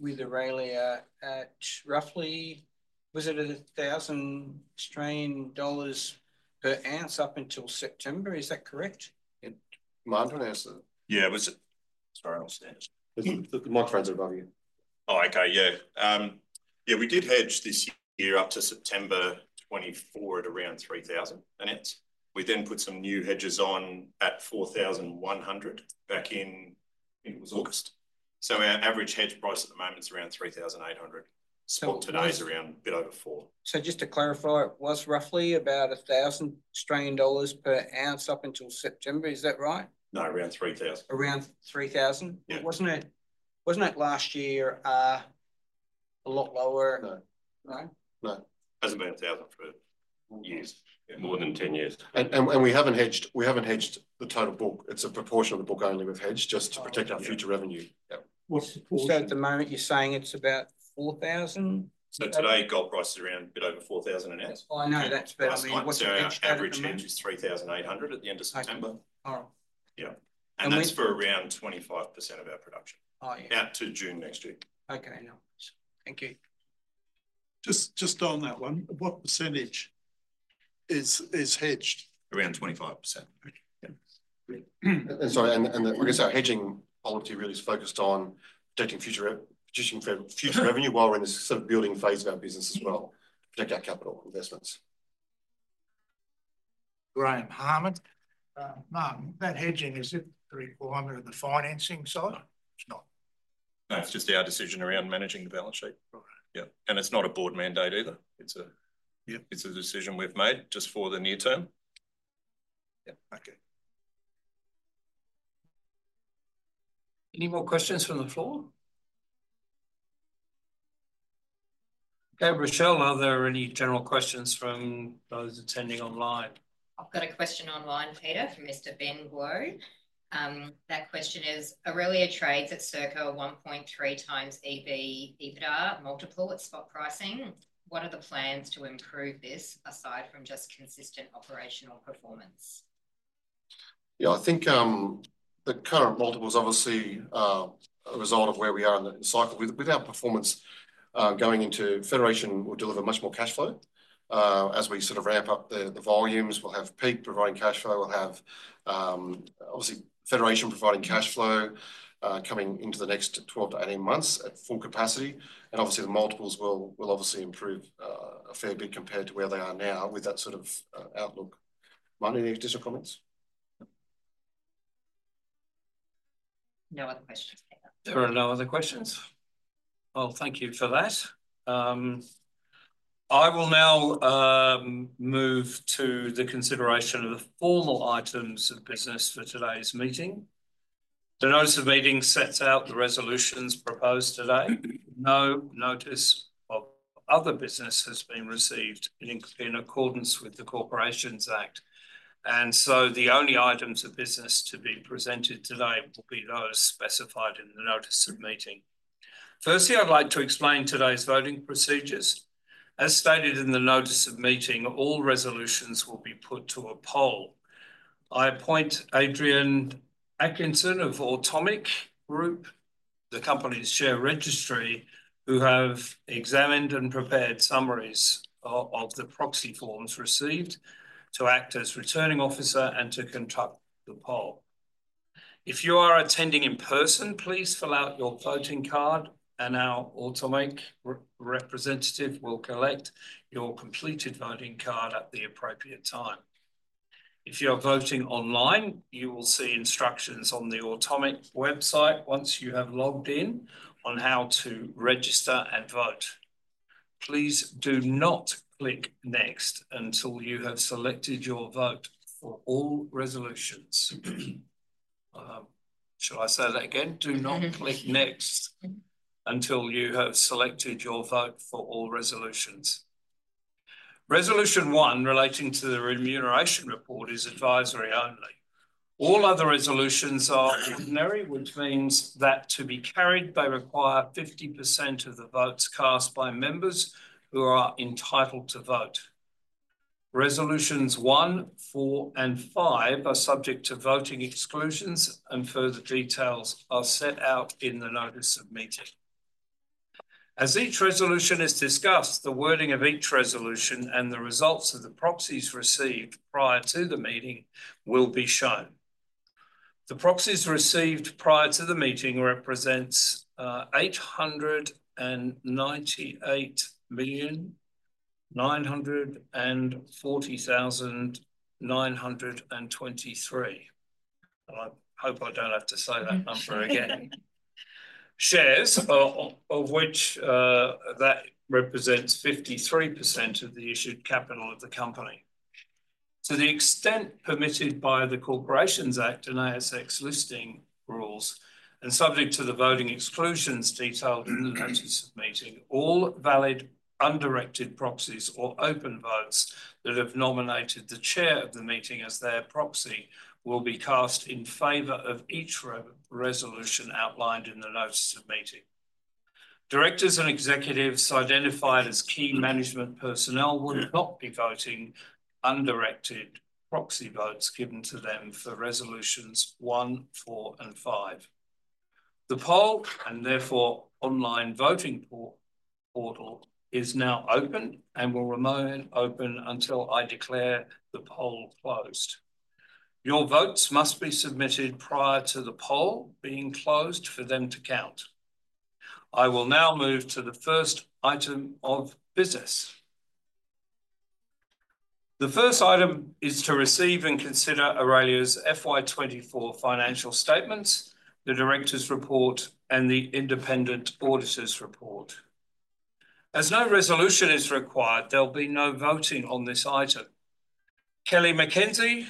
with Aurelia at roughly, was it 1,000 Australian dollars per ounce up until September? Is that correct? Yeah. Sorry, I lost it. The microphones are above you. Oh, okay. Yeah. Yeah, we did hedge this year up to September 2024 at around 3,000 an ounce. We then put some new hedges on at 4,100 back in, I think it was August. So our average hedge price at the moment is around 3,800. Spot today is around a bit over 4. So just to clarify, it was roughly about 1,000 Australian dollars per ounce up until September. Is that right? No, around 3,000. Around 3,000? Yeah. Wasn't it last year a lot lower? No. No? No. Hasn't been 1,000 for years. More than 10 years. And we haven't hedged the total book. It's a proportion of the book only we've hedged just to protect our future revenue. So at the moment, you're saying it's about 4,000? So today, gold price is around a bit over 4,000 an ounce. I know. That's better. I mean, what's the average? Our average hedge is 3,800 at the end of September. Yeah. And that's for around 25% of our production out to June next year. Okay. No, thanks. Thank you. Just on that one, what percentage is hedged? Around 25%. Okay. Yeah. Sorry. And like I said, our hedging policy really is focused on protecting future revenue while we're in this sort of building phase of our business as well, protect our capital investments. Brian Harmon. No, that hedging, is it the requirement of the financing side? No. It's not. No. It's just our decision around managing the balance sheet. Yeah. And it's not a board mandate either. It's a decision we've made just for the near term. Yeah. Okay. Any more questions from the floor? Okay. Rochelle, are there any general questions from those attending online? I've got a question online, Peter, from Mr. Ben Guo. That question is, Aurelia trades at circa 1.3 times EBITDA multiple at spot pricing. What are the plans to improve this aside from just consistent operational performance? Yeah, I think the current multiple is obviously a result of where we are in the cycle. With our performance going into Federation, we'll deliver much more cash flow as we sort of ramp up the volumes. We'll have Peak providing cash flow. We'll have obviously Federation providing cash flow coming into the next 12-18 months at full capacity. And obviously, the multiples will obviously improve a fair bit compared to where they are now with that sort of outlook. Might need any additional comments? No other questions. There are no other questions. Well, thank you for that. I will now move to the consideration of the formal items of business for today's meeting. The notice of meeting sets out the resolutions proposed today. No notice of other business has been received in accordance with the Corporations Act, and so the only items of business to be presented today will be those specified in the notice of meeting. Firstly, I'd like to explain today's voting procedures. As stated in the notice of meeting, all resolutions will be put to a poll. I appoint Adrian Atkinson of Automic Group, the company's share registry, who have examined and prepared summaries of the proxy forms received to act as returning officer and to conduct the poll. If you are attending in person, please fill out your voting card, and our Automic representative will collect your completed voting card at the appropriate time. If you are voting online, you will see instructions on the Automic website once you have logged in on how to register and vote. Please do not click next until you have selected your vote for all resolutions. Shall I say that again? Do not click next until you have selected your vote for all resolutions. Resolution one relating to the Remuneration Report is advisory only. All other resolutions are ordinary, which means that to be carried, they require 50% of the votes cast by members who are entitled to vote. Resolutions one, four, and five are subject to voting exclusions, and further details are set out in the notice of meeting. As each resolution is discussed, the wording of each resolution and the results of the proxies received prior to the meeting will be shown. The proxies received prior to the meeting represents 898,940,923. I hope I don't have to say that number again. Shares, of which that represents 53% of the issued capital of the company. To the extent permitted by the Corporations Act and ASX listing rules and subject to the voting exclusions detailed in the notice of meeting, all valid undirected proxies or open votes that have nominated the chair of the meeting as their proxy will be cast in favour of each resolution outlined in the notice of meeting. Directors and executives identified as key management personnel will not be voting undirected proxy votes given to them for resolutions one, four, and five. The poll and therefore online voting portal is now open and will remain open until I declare the poll closed. Your votes must be submitted prior to the poll being closed for them to count. I will now move to the first item of business. The first item is to receive and consider Aurelia's FY24 financial statements, the director's report, and the independent auditor's report. As no resolution is required, there'll be no voting on this item. Kelly McKenzie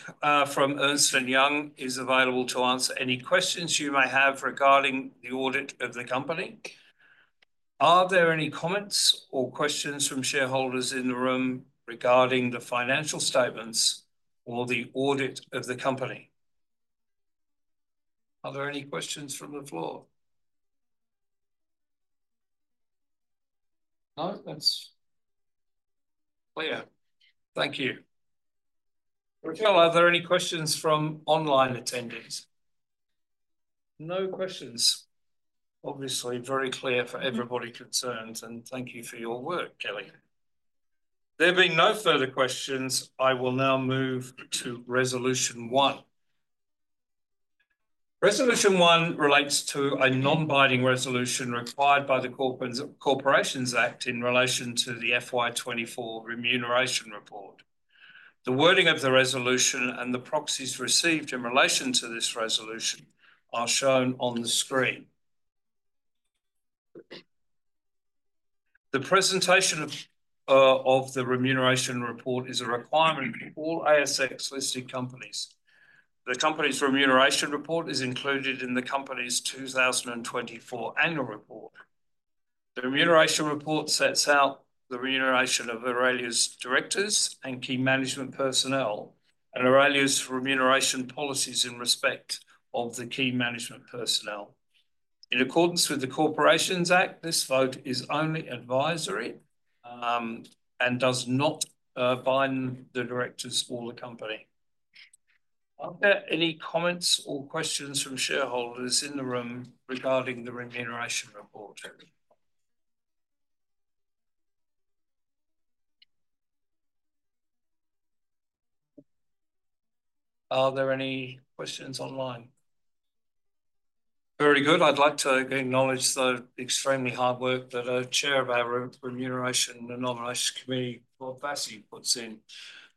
from Ernst & Young is available to answer any questions you may have regarding the audit of the company. Are there any comments or questions from shareholders in the room regarding the financial statements or the audit of the company? Are there any questions from the floor? No. That's clear. Thank you. Rochelle, are there any questions from online attendance? No questions. Obviously, very clear for everybody concerned. And thank you for your work, Kelly. There being no further questions, I will now move to resolution one. Resolution one relates to a non-binding resolution required by the Corporations Act in relation to the FY24 remuneration report. The wording of the resolution and the proxies received in relation to this resolution are shown on the screen. The presentation of the remuneration report is a requirement for all ASX-listed companies. The company's remuneration report is included in the company's 2024 annual report. The remuneration report sets out the remuneration of Aurelia's directors and key management personnel and Aurelia's remuneration policies in respect of the key management personnel. In accordance with the Corporations Act, this vote is only advisory and does not bind the directors or the company. Are there any comments or questions from shareholders in the room regarding the remuneration report? Are there any questions online? Very good. I'd like to acknowledge the extremely hard work that a chair of our remuneration and nomination committee, Bob Vassie, puts in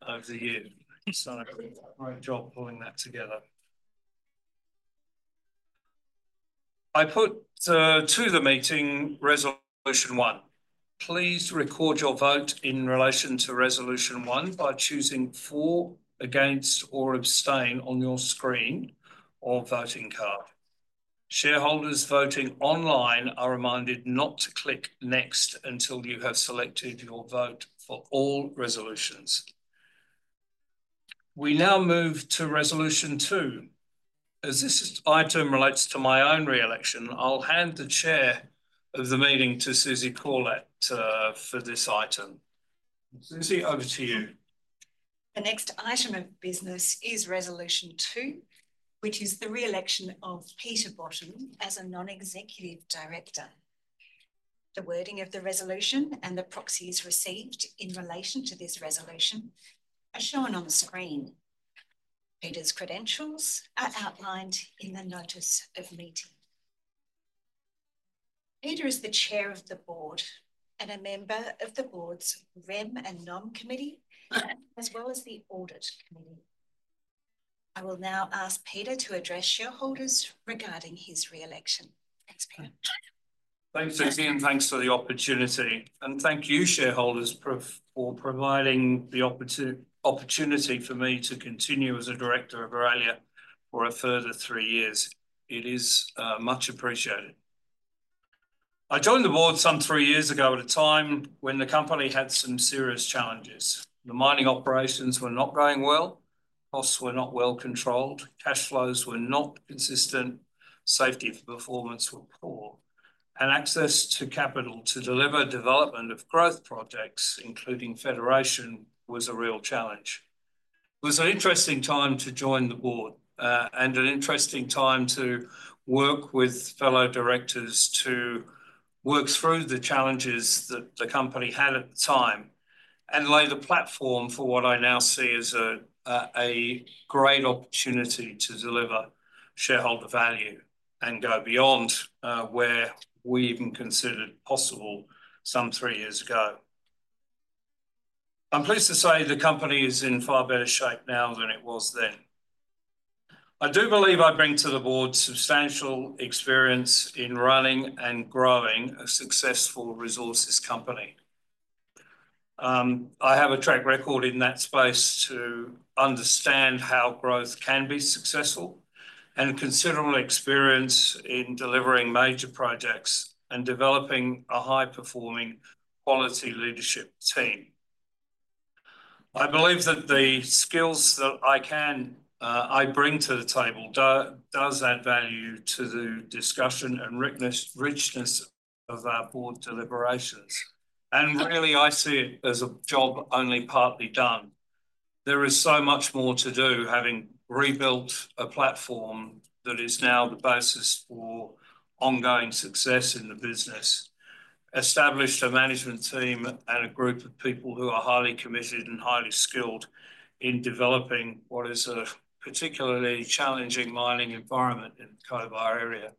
over the year. He's done a great job pulling that together. I put to the meeting resolution one. Please record your vote in relation to resolution one by choosing for, against, or abstain on your screen or voting card. Shareholders voting online are reminded not to click next until you have selected your vote for all resolutions. We now move to resolution two. As this item relates to my own reelection, I'll hand the chair of the meeting to Susie Corlett for this item. Susie, over to you. The next item of business is resolution two, which is the reelection of Peter Botten as a non-executive director. The wording of the resolution and the proxies received in relation to this resolution are shown on the screen. Peter's credentials are outlined in the notice of meeting. Peter is the chair of the board and a member of the board's Rem and Nom Committee, as well as the audit committee. I will now ask Peter to address shareholders regarding his reelection. Thanks, Peter. Thanks, Susie, and thanks for the opportunity and thank you, shareholders, for providing the opportunity for me to continue as a director of Aurelia for a further three years. It is much appreciated. I joined the board some three years ago at a time when the company had some serious challenges. The mining operations were not going well. Costs were not well controlled. Cash flows were not consistent. Safety and performance were poor and access to capital to deliver development of growth projects, including Federation, was a real challenge. It was an interesting time to join the board and an interesting time to work with fellow directors to work through the challenges that the company had at the time and lay the platform for what I now see as a great opportunity to deliver shareholder value and go beyond where we even considered possible some three years ago. I'm pleased to say the company is in far better shape now than it was then. I do believe I bring to the board substantial experience in running and growing a successful resources company. I have a track record in that space to understand how growth can be successful and considerable experience in delivering major projects and developing a high-performing, quality leadership team. I believe that the skills that I bring to the table does add value to the discussion and richness of our board deliberations. Really, I see it as a job only partly done. There is so much more to do having rebuilt a platform that is now the basis for ongoing success in the business, established a management team and a group of people who are highly committed and highly skilled in developing what is a particularly challenging mining environment in the Cobar area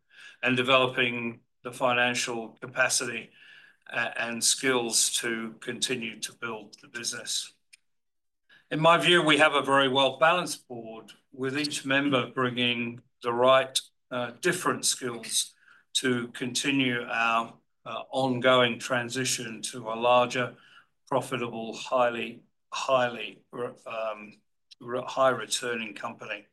and developing the financial capacity and skills to continue to build the business. In my view, we have a very well-balanced board with each member bringing the right different skills to continue our ongoing transition to a larger, profitable, highly high-returning company.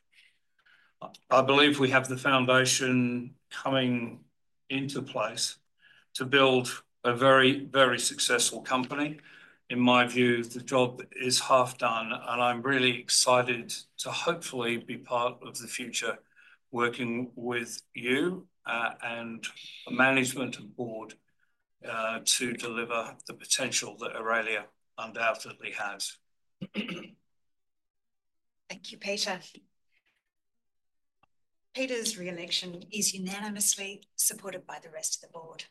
I believe we have the foundation coming into place to build a very, very successful company. In my view, the job is half done, and I'm really excited to hopefully be part of the future working with you and a management board to deliver the potential that Aurelia undoubtedly has. Thank you, Peter. Peter's reelection is unanimously supported by the rest of the board.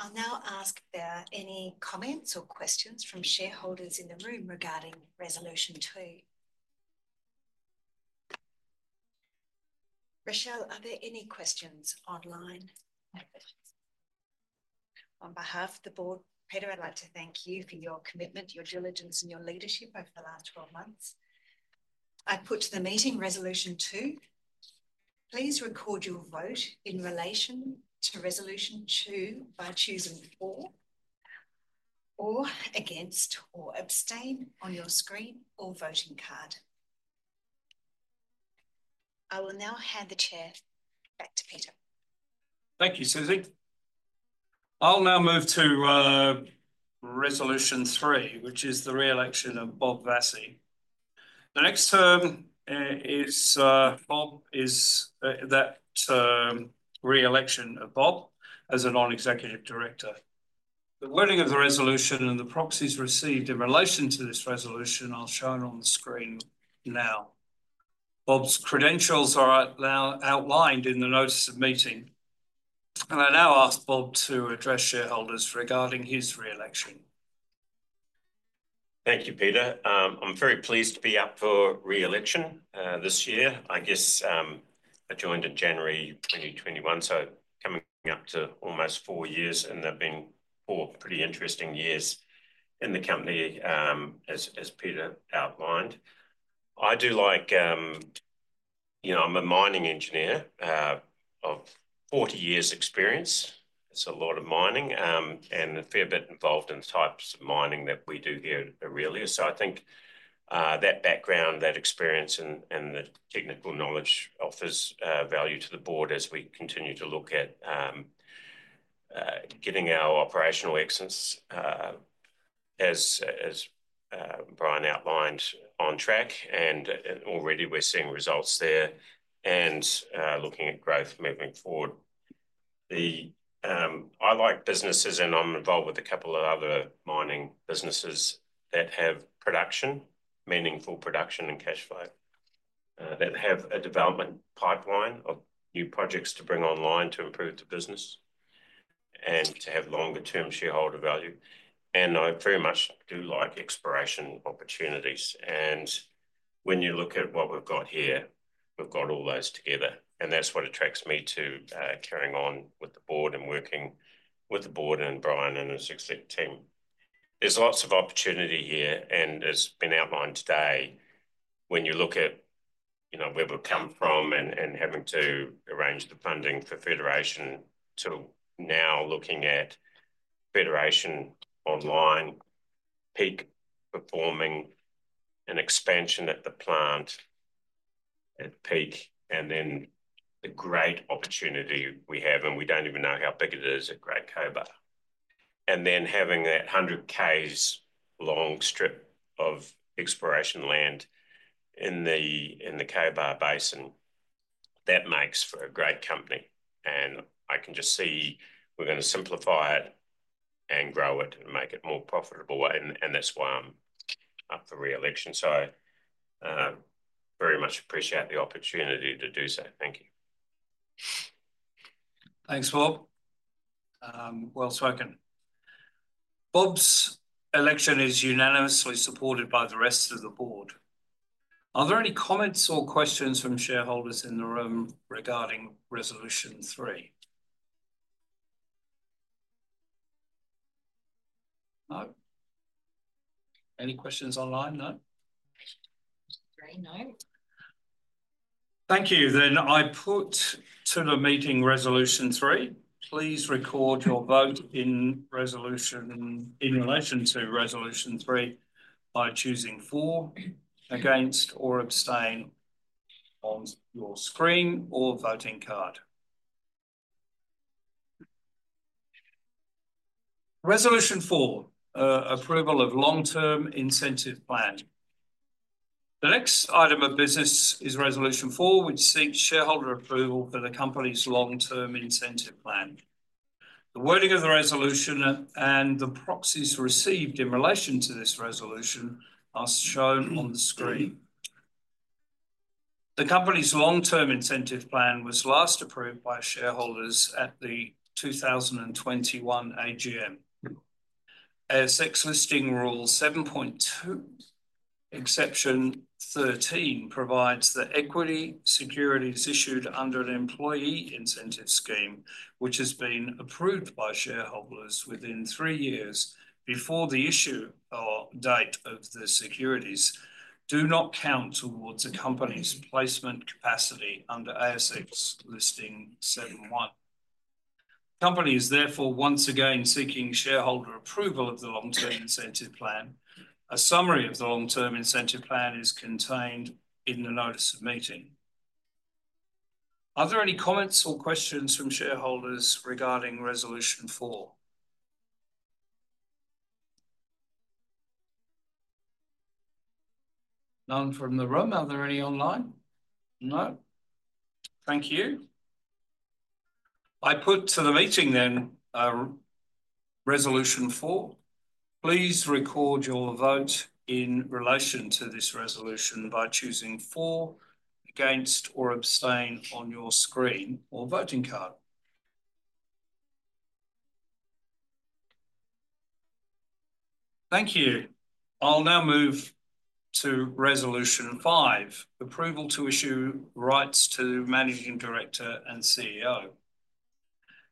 I'll now ask if there are any comments or questions from shareholders in the room regarding resolution two. Rochelle, are there any questions online? On behalf of the board, Peter, I'd like to thank you for your commitment, your diligence, and your leadership over the last 12 months. I put to the meeting resolution two. Please record your vote in relation to resolution two by choosing for, or against, or abstain on your screen or voting card. I will now hand the chair back to Peter. Thank you, Susie. I'll now move to resolution three, which is the reelection of Bob Vassie. The next item is the re-election of Bob as a non-executive director. The wording of the resolution and the proxies received in relation to this resolution are shown on the screen now. Bob's credentials are outlined in the notice of meeting. I now ask Bob to address shareholders regarding his re-election. Thank you, Peter. I'm very pleased to be up for re-election this year. I guess I joined in January 2021, so coming up to almost four years, and there have been four pretty interesting years in the company, as Peter outlined. I do. Like, I'm a mining engineer of 40 years' experience. It's a lot of mining and a fair bit involved in the types of mining that we do here at Aurelia. So I think that background, that experience, and the technical knowledge offers value to the board as we continue to look at getting our operational excellence, as Bryan outlined, on track. And already, we're seeing results there and looking at growth moving forward. I like businesses, and I'm involved with a couple of other mining businesses that have production, meaningful production and cash flow, that have a development pipeline of new projects to bring online to improve the business and to have longer-term shareholder value. And I very much do like exploration opportunities. And when you look at what we've got here, we've got all those together. And that's what attracts me to carrying on with the board and working with the board and Bryan and his executive team. There's lots of opportunity here, and as has been outlined today, when you look at where we've come from and having to arrange the funding for Federation to now looking at Federation online, Peak performing, an expansion at the plant at Peak, and then the great opportunity we have, and we don't even know how big it is at Great Cobar. And then having that 100 km long strip of exploration land in the Cobar Basin, that makes for a great company. And I can just see we're going to simplify it and grow it and make it more profitable. And that's why I'm up for reelection. So I very much appreciate the opportunity to do so. Thank you. Thanks, Bob. Well spoken. Bob's election is unanimously supported by the rest of the board. Are there any comments or questions from shareholders in the room regarding resolution three? No? Any questions online? No? Thank you. Then I put Resolution Three to the meeting. Please record your vote on Resolution Three by choosing for, against, or abstain on your screen or voting card. Resolution Four, approval of Long-Term Incentive Plan. The next item of business is Resolution Four, which seeks shareholder approval for the company's Long-Term Incentive Plan. The wording of the resolution and the proxies received in relation to this resolution are shown on the screen. The company's Long-Term Incentive Plan was last approved by shareholders at the 2021 AGM. ASX Listing Rule 7.2, exception 13 provides the equity securities issued under an employee incentive scheme, which has been approved by shareholders within three years before the issue date of the securities, do not count towards the company's placement capacity under ASX Listing Rule 7.1. The company is therefore once again seeking shareholder approval of the long-term incentive plan. A summary of the long-term incentive plan is contained in the notice of meeting. Are there any comments or questions from shareholders regarding resolution four? None from the room. Are there any online? No? Thank you. I put to the meeting then resolution four. Please record your vote in relation to this resolution by choosing for, against, or abstain on your screen or voting card. Thank you. I'll now move to resolution five, approval to issue rights to Managing Director and CEO.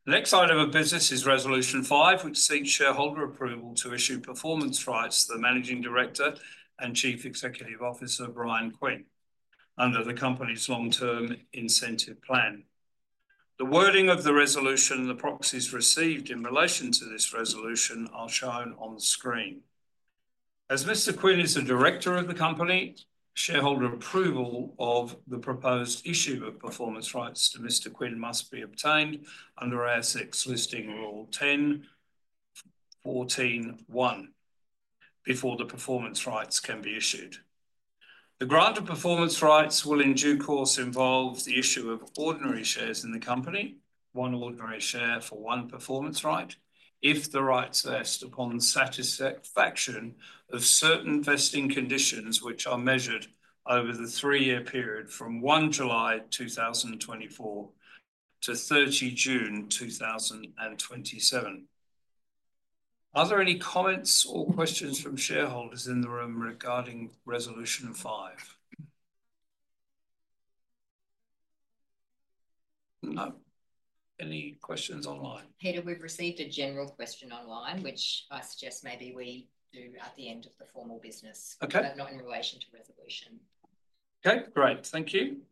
The next item of business is resolution five, which seeks shareholder approval to issue performance rights to the Managing Director and Chief Executive Officer, Bryan Quinn, under the company's long-term incentive plan. The wording of the resolution and the proxies received in relation to this resolution are shown on the screen. As Mr. Quinn is the director of the company. Shareholder approval of the proposed issue of performance rights to Mr. Quinn must be obtained under ASX listing rule 10.14.1 before the performance rights can be issued. The grant of performance rights will in due course involve the issue of ordinary shares in the company, one ordinary share for one performance right, if the rights vest upon satisfaction of certain vesting conditions which are measured over the three-year period from 1 July 2024 to 30 June 2027. Are there any comments or questions from shareholders in the room regarding resolution five? No? Any questions online? Peter, we've received a general question online, which I suggest maybe we do at the end of the formal business, but not in relation to resolution. Okay. Great. Thank you.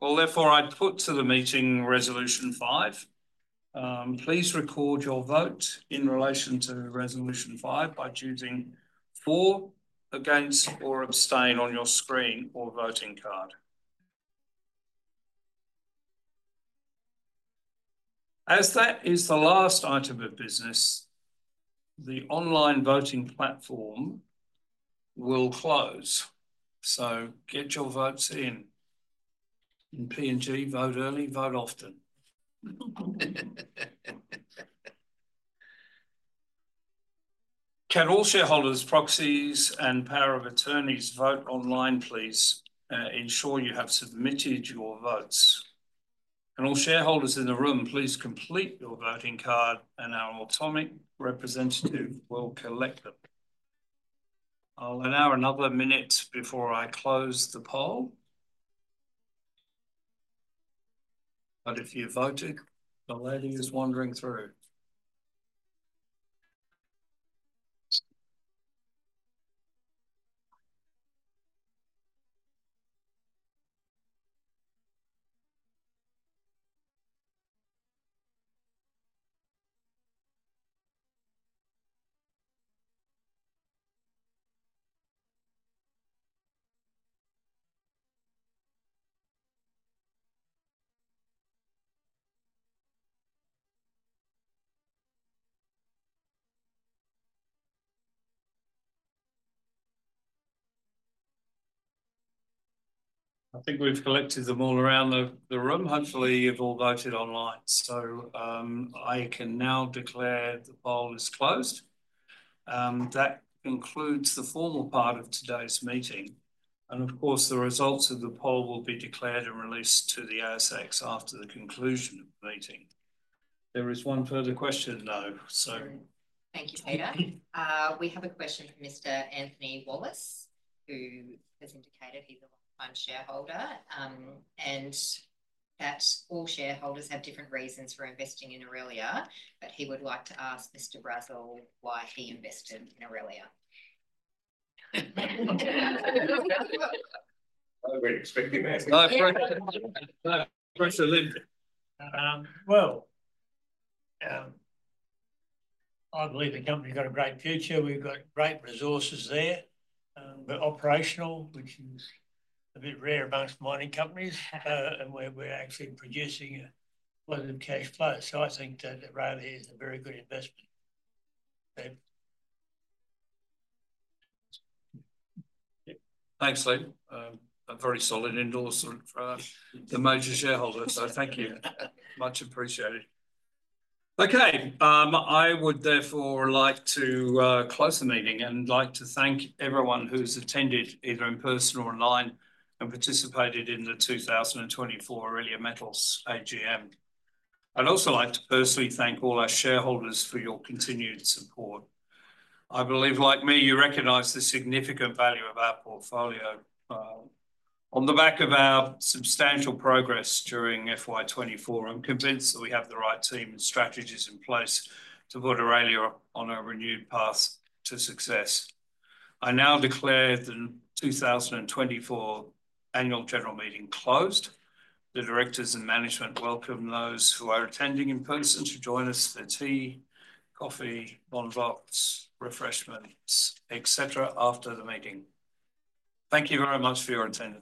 Well, therefore, I put to the meeting resolution five. Please record your vote in relation to resolution five by choosing for, against, or abstain on your screen or voting card. As that is the last item of business, the online voting platform will close. So get your votes in. And PNG, vote early, vote often. Can all shareholders, proxies, and powers of attorney vote online, please? Ensure you have submitted your votes. And all shareholders in the room, please complete your voting card, and our Automic representative will collect them. I'll allow another minute before I close the poll. But if you voted, the lady is wandering through. I think we've collected them all around the room. Hopefully, you've all voted online. So I can now declare the poll is closed. That concludes the formal part of today's meeting. And of course, the results of the poll will be declared and released to the ASX after the conclusion of the meeting. There is one further question, though. So. Thank you, Peter. We have a question from Mr. Anthony Wallace, who has indicated he's a long-time shareholder, and that all shareholders have different reasons for investing in Aurelia. But he would like to ask Mr. Brazil why he invested in Aurelia. I was expecting that. Hi, Professor Lyn. Well, I believe the company's got a great future. We've got great resources there. We're operational, which is a bit rare among mining companies, and we're actually producing a lot of cash flow. So I think that Aurelia is a very good investment. Thanks, Lyn. A very solid endorsement for the major shareholders. So thank you. Much appreciated. Okay. I would therefore like to close the meeting and like to thank everyone who's attended either in person or online and participated in the 2024 Aurelia Metals AGM. I'd also like to personally thank all our shareholders for your continued support. I believe, like me, you recognize the significant value of our portfolio. On the back of our substantial progress during FY24, I'm convinced that we have the right team and strategies in place to put Aurelia on a renewed path to success. I now declare the 2024 annual general meeting closed. The directors and management welcome those who are attending in person to join us for tea, coffee, bonbons, refreshments, etc., after the meeting. Thank you very much for your attendance.